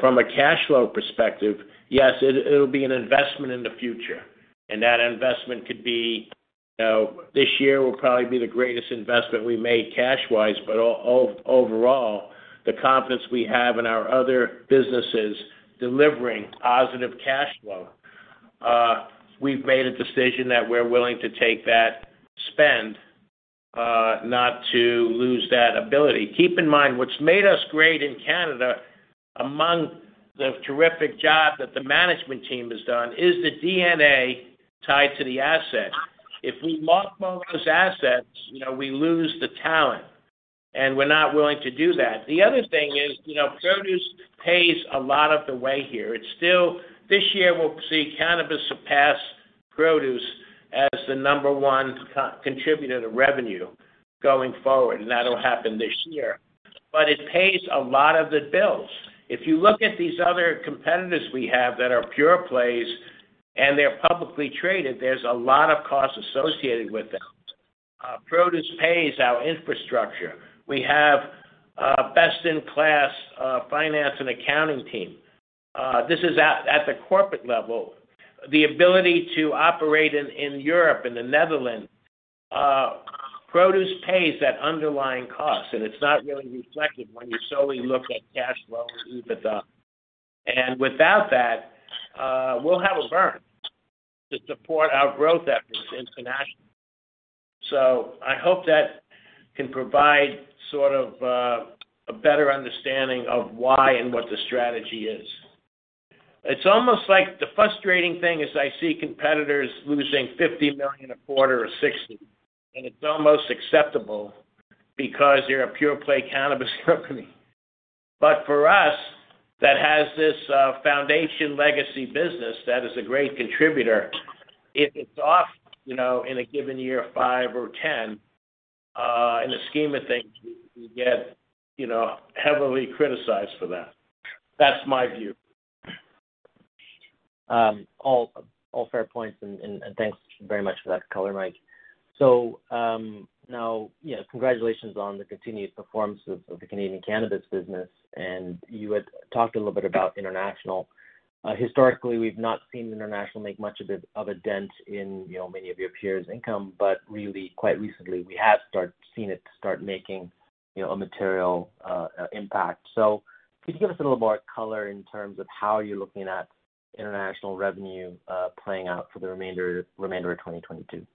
From a cash flow perspective, yes, it'll be an investment in the future, and that investment could be, you know, this year will probably be the greatest investment we made cash-wise. But overall, the confidence we have in our other businesses delivering positive cash flow, we've made a decision that we're willing to take that spend, not to lose that ability. Keep in mind, what's made us great in Canada, among the terrific job that the management team has done, is the DNA tied to the asset. If we mark those assets, you know, we lose the talent, and we're not willing to do that. The other thing is, you know, produce pays a lot of the way here. It's still this year we'll see cannabis surpass produce as the number one co-contributor to revenue going forward, and that'll happen this year. But it pays a lot of the bills. If you look at these other competitors we have that are pureplays, and they're publicly traded, there's a lot of costs associated with that. Produce pays our infrastructure. We have a best-in-class finance and accounting team. This is at the corporate level. The ability to operate in Europe and the Netherlands produce pays that underlying cost, and it's not really reflected when you solely look at cash flow and EBITDA. Without that, we'll have a burn to support our growth efforts internationally. I hope that can provide sort of a better understanding of why and what the strategy is. It's almost like the frustrating thing is I see competitors losing $50 million a quarter or $60 million, and it's almost acceptable because they're a pureplay cannabis company. For us, that has this foundation legacy business that is a great contributor, if it's off, you know, in a given year, $5 or $10, in the scheme of things, we get, you know, heavily criticized for that. That's my view. All fair points, and thanks very much for that color, Mike. Now, you know, congratulations on the continued performance of the Canadian cannabis business. You had talked a little bit about international. Historically, we've not seen international make much of a dent in, you know, many of your peers' income. Really, quite recently, we have seen it start making, you know, a material impact. Could you give us a little more color in terms of how you're looking at international revenue playing out for the remainder of 2022?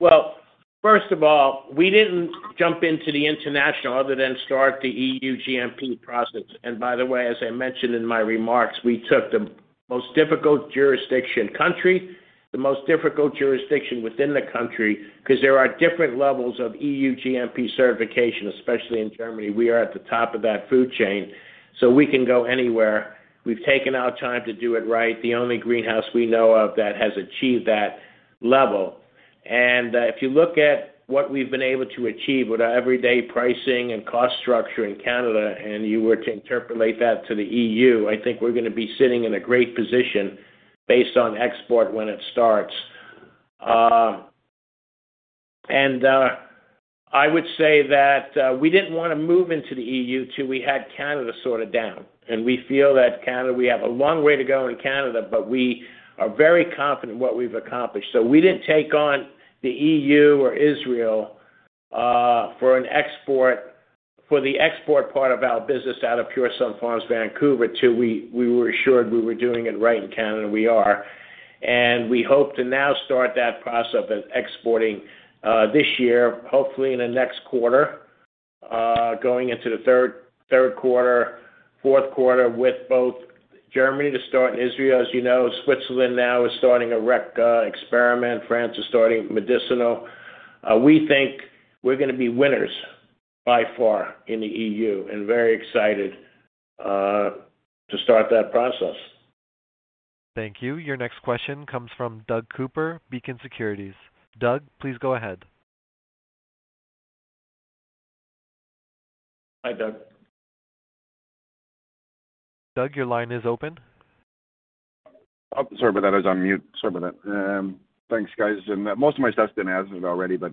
Well, first of all, we didn't jump into the international other than start the EU GMP process. By the way, as I mentioned in my remarks, we took the most difficult jurisdiction country, the most difficult jurisdiction within the country, 'cause there are different levels of EU GMP certification, especially in Germany. We are at the top of that food chain, so we can go anywhere. We've taken our time to do it right, the only greenhouse we know of that has achieved that level. If you look at what we've been able to achieve with our everyday pricing and cost structure in Canada, and you were to interpolate that to the EU, I think we're gonna be sitting in a great position based on export when it starts. I would say that we didn't wanna move into the EU till we had Canada sorted out. We feel that Canada, we have a long way to go in Canada, but we are very confident in what we've accomplished. We didn't take on the EU or Israel for the export part of our business out of Pure Sunfarms, Vancouver, too. We were assured we were doing it right in Canada, and we are. We hope to now start that process of exporting this year, hopefully in the next quarter, going into the Q3, Q4 with both Germany to start and Israel. As you know, Switzerland now is starting a rec experiment. France is starting medicinal. We think we're gonna be winners by far in the EU and very excited to start that process. Thank you. Your next question comes from Doug Cooper, Beacon Securities. Doug, please go ahead. Hi, Doug. Doug, your line is open. Sorry about that. I was on mute. Sorry about that. Thanks, guys. Most of my stuff's been answered already, but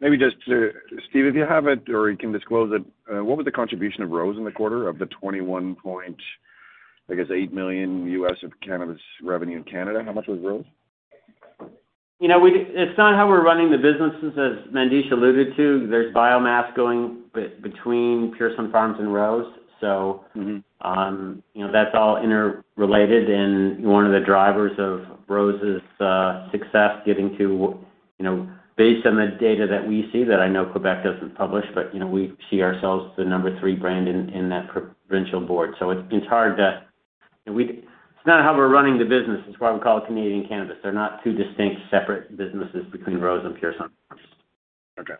maybe just to Steve, if you have it or you can disclose it, what was the contribution of ROSE in the quarter of the $21.8 million of cannabis revenue in Canada? How much was ROSE? You know, it's not how we're running the businesses. As Mandesh alluded to, there's biomass going between Pure Sunfarms and ROSE. Mm-hmm. You know, that's all interrelated. One of the drivers of ROSE's success getting to, you know, based on the data that we see, that I know Quebec doesn't publish, but, you know, we see ourselves as the number three brand in that provincial board. It's hard to. You know, It's not how we're running the business. It's why we call it Canadian Cannabis. They're not two distinct, separate businesses between ROSE and Pure Sunfarms. Okay.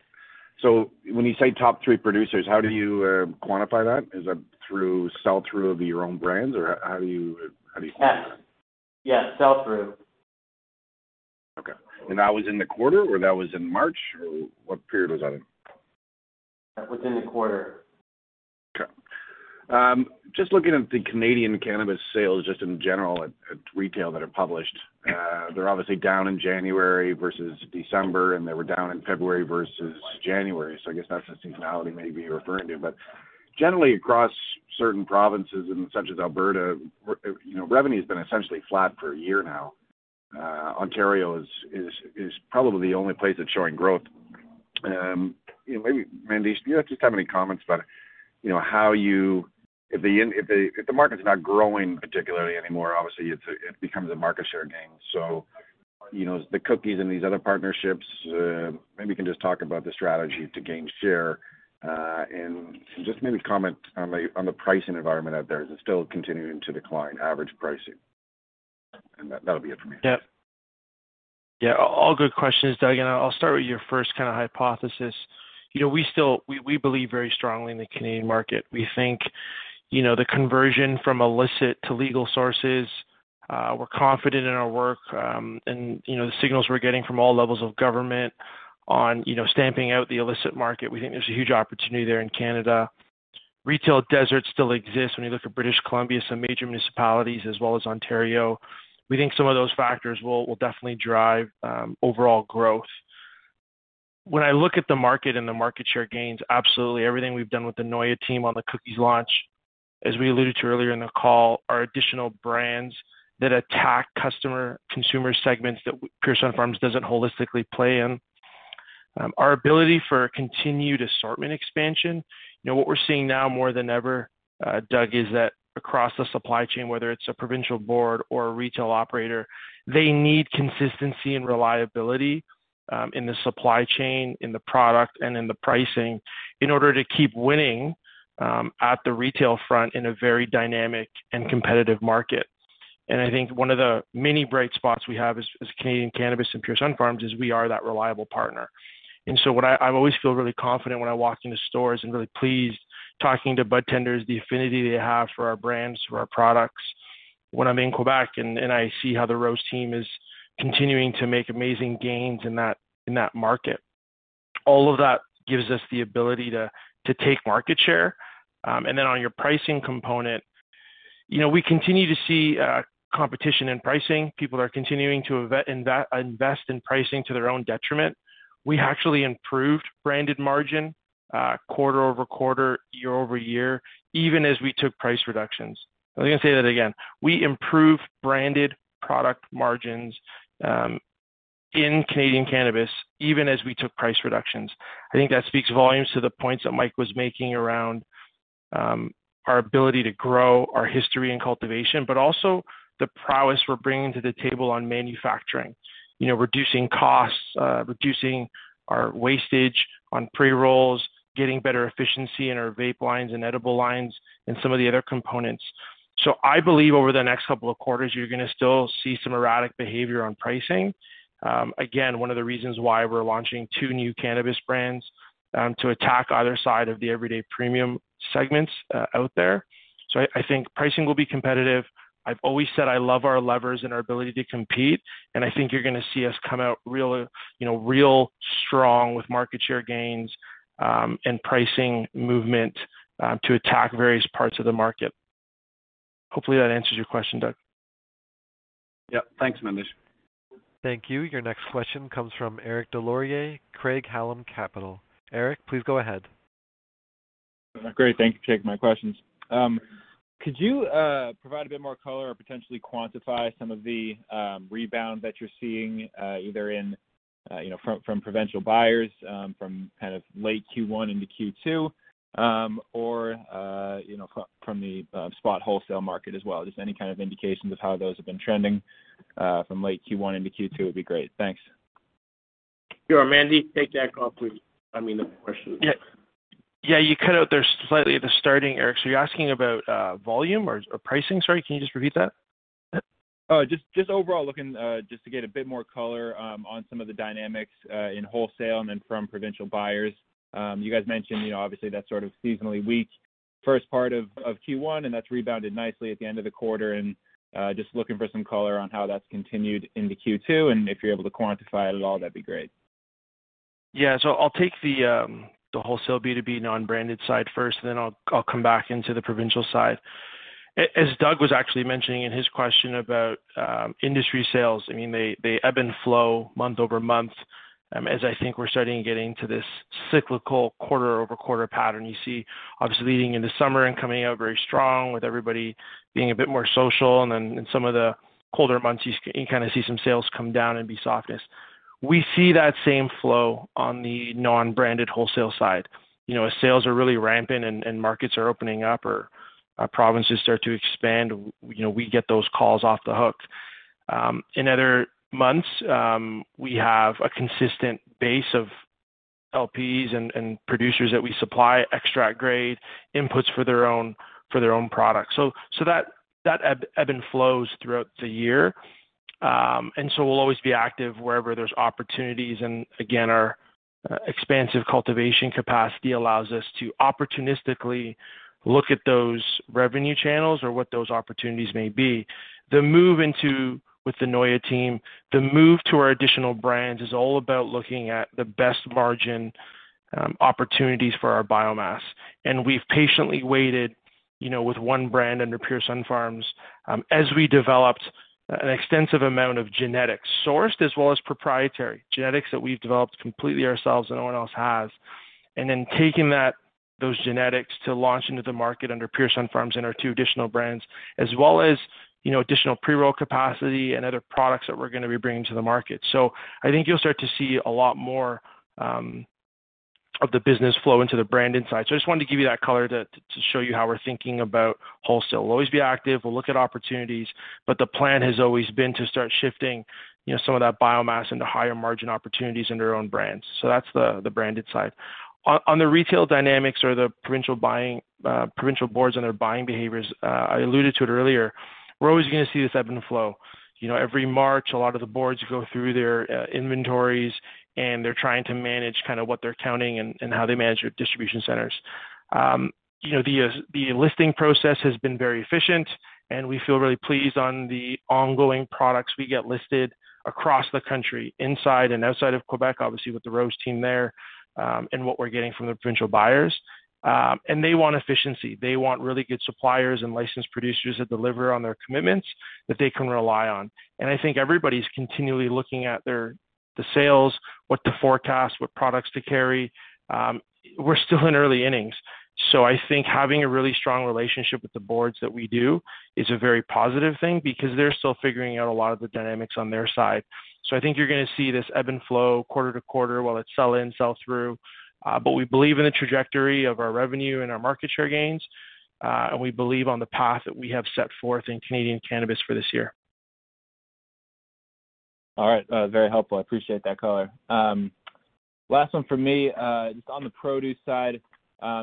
When you say top three producers, how do you quantify that? Is that through sell-through of your own brands, or how do you? Yes. Yes, sell-through. Okay. That was in the quarter, or that was in March, or what period was that in? Within the quarter. Okay. Just looking at the Canadian cannabis sales, just in general at retail that are published, they're obviously down in January versus December, and they were down in February versus January. I guess that's the seasonality maybe you're referring to. But generally across certain provinces and such as Alberta, you know, revenue's been essentially flat for a year now. Ontario is probably the only place that's showing growth. You know, maybe Mandesh, do you guys just have any comments about, you know, how you, if the market's not growing particularly anymore, obviously it becomes a market share game. You know, the Cookies and these other partnerships, maybe you can just talk about the strategy to gain share, and just maybe comment on the pricing environment out there. Is it still continuing to decline, average pricing? That'll be it for me. Yeah. Yeah, all good questions, Doug, and I'll start with your first kind of hypothesis. You know, we still believe very strongly in the Canadian market. We think, you know, the conversion from illicit to legal sources, we're confident in our work, and, you know, the signals we're getting from all levels of government on, you know, stamping out the illicit market. We think there's a huge opportunity there in Canada. Retail deserts still exist when you look at British Columbia, some major municipalities, as well as Ontario. We think some of those factors will definitely drive overall growth. When I look at the market and the market share gains, absolutely everything we've done with the NOYA team on the Cookies launch, as we alluded to earlier in the call, are additional brands that attack customer consumer segments that Pure Sunfarms doesn't holistically play in. Our ability for continued assortment expansion. You know, what we're seeing now more than ever, Doug, is that across the supply chain, whether it's a provincial board or a retail operator, they need consistency and reliability in the supply chain, in the product, and in the pricing in order to keep winning at the retail front in a very dynamic and competitive market. I think one of the many bright spots we have as Canadian Cannabis and Pure Sunfarms is we are that reliable partner. What I... I always feel really confident when I walk into stores and really pleased talking to budtenders, the affinity they have for our brands, for our products. When I'm in Quebec and I see how the ROSE team is continuing to make amazing gains in that market. All of that gives us the ability to take market share. Then on your pricing component, you know, we continue to see competition in pricing. People are continuing to invest in pricing to their own detriment. We actually improved branded margin quarter-over-quarter, year-over-year, even as we took price reductions. I'm gonna say that again. We improved branded product margins in Canadian Cannabis even as we took price reductions. I think that speaks volumes to the points that Mike was making around our ability to grow our facilities and cultivation, but also the prowess we're bringing to the table on manufacturing. You know, reducing costs, reducing our wastage on pre-rolls, getting better efficiency in our vape lines and edible lines and some of the other components. I believe over the next couple of quarters, you're gonna still see some erratic behavior on pricing. Again, one of the reasons why we're launching two new cannabis brands to attack either side of the everyday premium segments out there. I think pricing will be competitive. I've always said I love our levers and our ability to compete, and I think you're gonna see us come out really, you know, real strong with market share gains, and pricing movement, to attack various parts of the market. Hopefully that answers your question, Doug. Yep. Thanks, Mandesh. Thank you. Your next question comes from Eric Des Lauriers, Craig-Hallum Capital Group. Eric, please go ahead. Great. Thank you for taking my questions. Could you provide a bit more color or potentially quantify some of the rebound that you're seeing, either in, you know, from provincial buyers, from kind of late Q1 into Q2, or, you know, from the spot wholesale market as well? Just any kind of indications of how those have been trending, from late Q1 into Q2 would be great. Thanks. Sure. Mandy, take that call, please. I mean, the question. Yeah. Yeah, you cut out there slightly at the starting, Eric. So you're asking about volume or pricing? Sorry, can you just repeat that? Just overall looking just to get a bit more color on some of the dynamics in wholesale and then from provincial buyers. You guys mentioned, you know, obviously that sort of seasonally weak first part of Q1, and that's rebounded nicely at the end of the quarter, and just looking for some color on how that's continued into Q2, and if you're able to quantify it at all, that'd be great. Yeah. I'll take the wholesale B2B non-branded side first, and then I'll come back into the provincial side. As Doug was actually mentioning in his question about industry sales, I mean, they ebb and flow month-over-month, as I think we're starting getting to this cyclical quarter-over-quarter pattern. You see obviously leading into summer and coming out very strong with everybody being a bit more social, and then in some of the colder months, you kind of see some sales come down and be softness. We see that same flow on the non-branded wholesale side. You know, as sales are really ramping and markets are opening up or provinces start to expand, we, you know, we get those calls off the hook. In other months, we have a consistent base of LPs and producers that we supply extract grade inputs for their own products. That ebbs and flows throughout the year. We'll always be active wherever there's opportunities, and again, our expansive cultivation capacity allows us to opportunistically look at those revenue channels or what those opportunities may be. The move with the NOYA team to our additional brands is all about looking at the best margin opportunities for our biomass. We've patiently waited, you know, with one brand under Pure Sunfarms, as we developed an extensive amount of genetics sourced as well as proprietary genetics that we've developed completely ourselves and no one else has. Taking that, those genetics to launch into the market under Pure Sunfarms and our two additional brands, as well as, you know, additional pre-roll capacity and other products that we're gonna be bringing to the market. I think you'll start to see a lot more of the business flow into the branded side. I just wanted to give you that color to show you how we're thinking about wholesale. We'll always be active. We'll look at opportunities, but the plan has always been to start shifting, you know, some of that biomass into higher-margin opportunities under our own brands. That's the branded side. On the retail dynamics or the provincial buying, provincial boards and their buying behaviors, I alluded to it earlier, we're always gonna see this ebb and flow. You know, every March, a lot of the boards go through their inventories, and they're trying to manage kind of what they're counting and how they manage their distribution centers. You know, the listing process has been very efficient, and we feel really pleased on the ongoing products we get listed across the country, inside and outside of Quebec, obviously with the ROSE team there, and what we're getting from the provincial buyers. They want efficiency. They want really good suppliers and licensed producers that deliver on their commitments that they can rely on. I think everybody's continually looking at their sales, what to forecast, what products to carry. We're still in early innings, so I think having a really strong relationship with the boards that we do is a very positive thing because they're still figuring out a lot of the dynamics on their side. I think you're gonna see this ebb and flow quarter-to-quarter while it's sell in, sell through. We believe in the trajectory of our revenue and our market share gains, and we believe on the path that we have set forth in Canadian Cannabis for this year. All right, very helpful. I appreciate that color. Last one from me. Just on the produce side,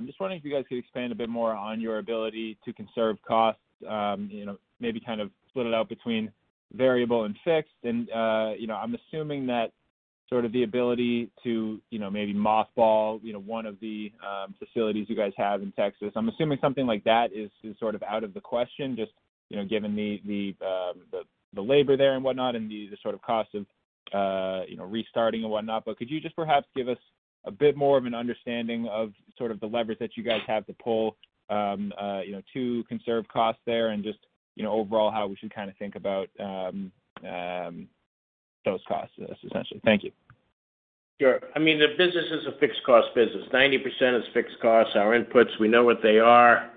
just wondering if you guys could expand a bit more on your ability to conserve costs, you know, maybe kind of split it out between variable and fixed. You know, I'm assuming that sort of the ability to, you know, maybe mothball, you know, one of the facilities you guys have in Texas. I'm assuming something like that is sort of out of the question, just, you know, given the labor there and whatnot and the sort of cost of, you know, restarting and whatnot. Could you just perhaps give us a bit more of an understanding of sort of the leverage that you guys have to pull, you know, to conserve costs there and just, you know, overall how we should kind of think about those costs essentially. Thank you. Sure. I mean, the business is a fixed cost business. 90% is fixed costs. Our inputs, we know what they are,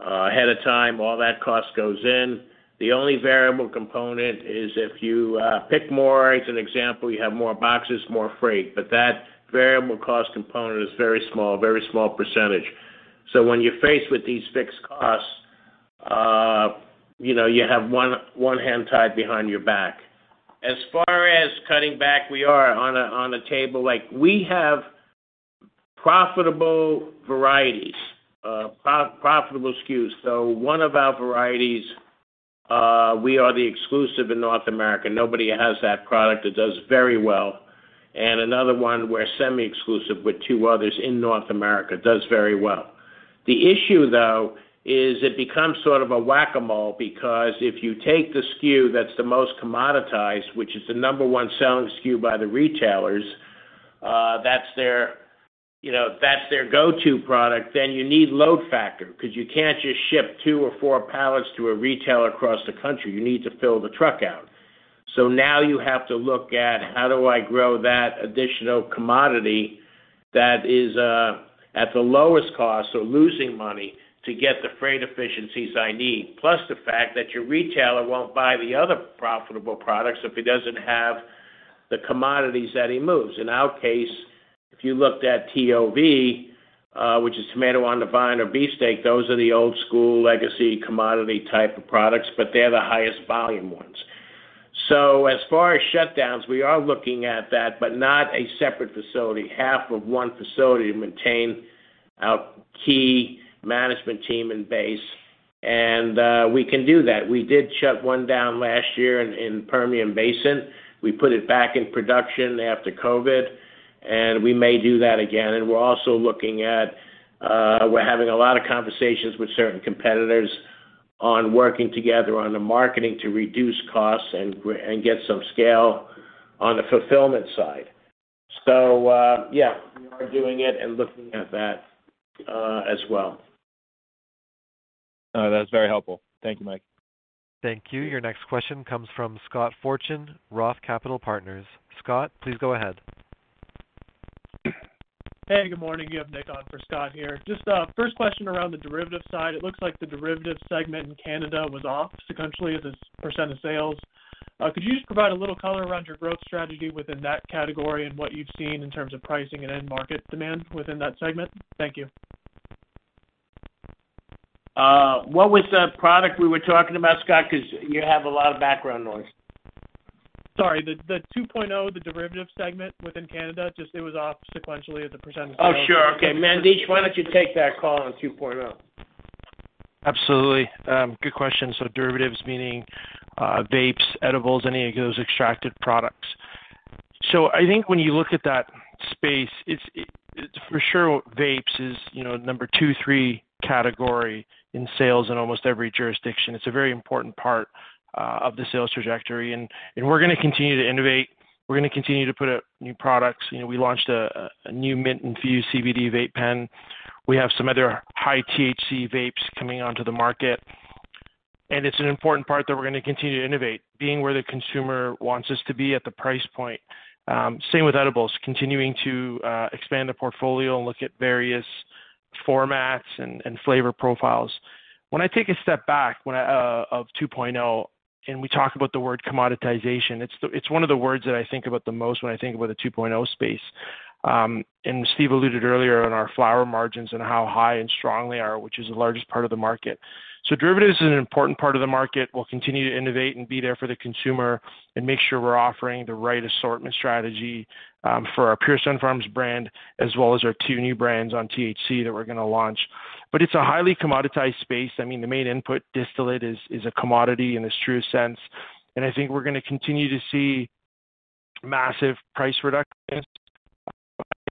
ahead of time. All that cost goes in. The only variable component is if you pick more, as an example, you have more boxes, more freight, but that variable cost component is very small, a very small percentage. So when you're faced with these fixed costs, you know, you have one hand tied behind your back. As far as cutting back, we are on a table. Like, we have profitable varieties, profitable SKUs. So one of our varieties, we are the exclusive in North America. Nobody has that product. It does very well. Another one, we're semi-exclusive with two others in North America. It does very well. The issue, though, is it becomes sort of a whack-a-mole because if you take the SKU that's the most commoditized, which is the number one selling SKU by the retailers, that's their, you know, that's their go-to product, then you need load factor because you can't just ship two or four pallets to a retailer across the country. You need to fill the truck out. Now you have to look at how do I grow that additional commodity that is at the lowest-cost or losing money to get the freight efficiencies I need. Plus the fact that your retailer won't buy the other profitable products if he doesn't have the commodities that he moves. In our case, if you looked at TOV, which is Tomatoes on the Vine or beefsteak, those are the old school legacy commodity type of products, but they're the highest-volume ones. As far as shutdowns, we are looking at that, but not a separate facility. Half of one facility to maintain our key management team and base, and we can do that. We did shut one down last year in Permian Basin. We put it back in production after COVID, and we may do that again. We're also looking at, we're having a lot of conversations with certain competitors on working together on the marketing to reduce costs and get some scale on the fulfillment side. Yeah, we are doing it and looking at that, as well. No, that's very helpful. Thank you, Mike. Thank you. Your next question comes from Scott Fortune, Roth Capital Partners. Scott, please go ahead. Hey, good morning. You have Nick on for Scott here. Just first question around the derivative side. It looks like the derivative segment in Canada was off sequentially as a percent of sales. Could you just provide a little color around your growth strategy within that category and what you've seen in terms of pricing and end market demand within that segment? Thank you. What was the product we were talking about, Scott? Because you have a lot of background noise. Sorry. The 2.0, the derivative segment within Canada, just it was off sequentially as a % of sales. Oh, sure. Okay. Mandeep, why don't you take that call on 2.0. Absolutely. Good question. Derivatives meaning vapes, edibles, any of those extracted products. I think when you look at that space, it's for sure vapes is you know number two, three category in sales in almost every jurisdiction. It's a very important part of the sales trajectory. We're gonna continue to innovate. We're gonna continue to put out new products. You know, we launched a new mint Infuse CBD vape pen. We have some other high-THC vapes coming onto the market. It's an important part that we're gonna continue to innovate, being where the consumer wants us to be at the price point. Same with edibles, continuing to expand the portfolio and look at various formats and flavor profiles. When I take a step back, when I think of 2.0 and we talk about the word commoditization, it's one of the words that I think about the most when I think about the 2.0 space. Steve alluded earlier on our flower margins and how high and strong they are, which is the largest part of the market. Derivatives is an important part of the market. We'll continue to innovate and be there for the consumer and make sure we're offering the right assortment strategy for our Pure Sunfarms brand, as well as our two new brands on THC that we're gonna launch. It's a highly-commoditized space. I mean, the main input distillate is a commodity in its true sense, and I think we're gonna continue to see massive price reductions.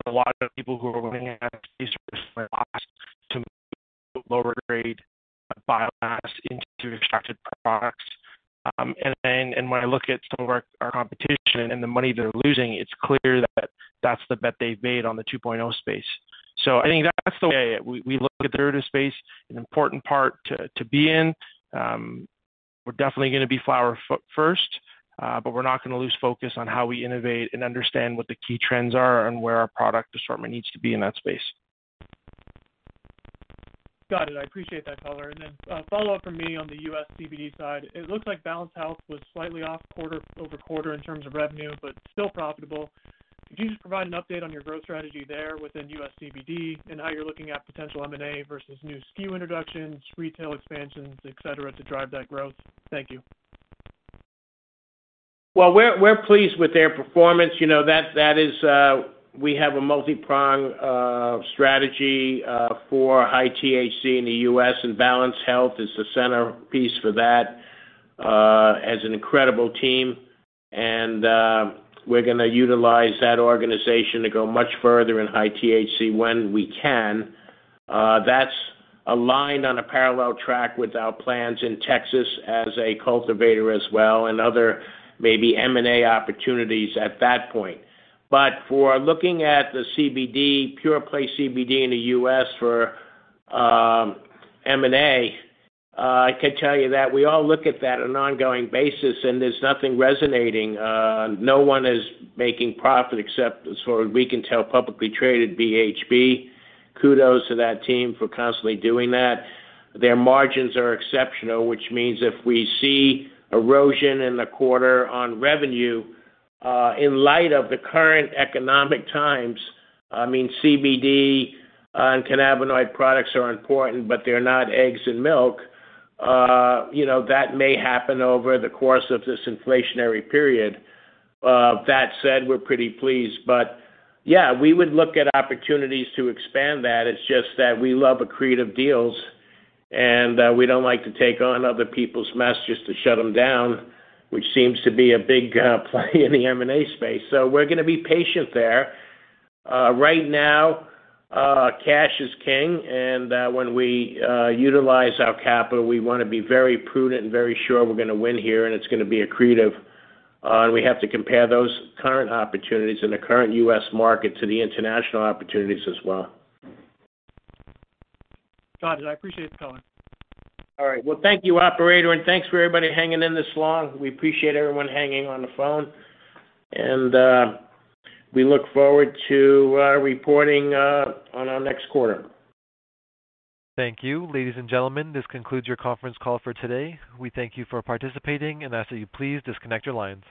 A lot of people who are incurring these risks and losses to lower-grade biomass into extracted products. Then when I look at some of our competition and the money they're losing, it's clear that that's the bet they've made on the 2.0 space. I think that's the way we look at the derivative space, an important part to be in. We're definitely gonna be flower first, but we're not gonna lose focus on how we innovate and understand what the key trends are and where our product assortment needs to be in that space. Got it. I appreciate that color. A follow-up from me on the US CBD side. It looks like Balanced Health was slightly off quarter-over-quarter in terms of revenue, but still profitable. Could you just provide an update on your growth strategy there within US CBD and how you're looking at potential M&A versus new SKU introductions, retail expansions, et cetera, to drive that growth? Thank you. Well, we're pleased with their performance. You know, that is. We have a multi-pronged strategy for high-THC in the US, and Balanced Health is the centerpiece for that as an incredible team. We're gonna utilize that organization to go much further in high-tHC when we can. That's aligned on a parallel track with our plans in Texas as a cultivator as well and other maybe M&A opportunities at that point. For looking at the CBD, pure play CBD in the US for M&A, I could tell you that we all look at that on an ongoing basis, and there's nothing resonating. No one is making profit except as far as we can tell, publicly traded BHB. Kudos to that team for constantly doing that. Their margins are exceptional, which means if we see erosion in the quarter on revenue, in light of the current economic times, I mean, CBD and cannabinoid products are important, but they're not eggs and milk. You know, that may happen over the course of this inflationary period. That said, we're pretty pleased. Yeah, we would look at opportunities to expand that. It's just that we love accretive deals and, we don't like to take on other people's mess just to shut them down, which seems to be a big play in the M&A space. We're gonna be patient there. Right now, cash is king, and when we utilize our capital, we wanna be very prudent and very sure we're gonna win here and it's gonna be accretive. We have to compare those current opportunities in the current U.S. market to the international opportunities as well. Got it. I appreciate the color. All right. Well, thank you, operator, and thanks for everybody hanging in this long. We appreciate everyone hanging on the phone. We look forward to reporting on our next quarter. Thank you. Ladies and gentlemen, this concludes your Conference Call for today. We thank you for participating and ask that you please disconnect your lines.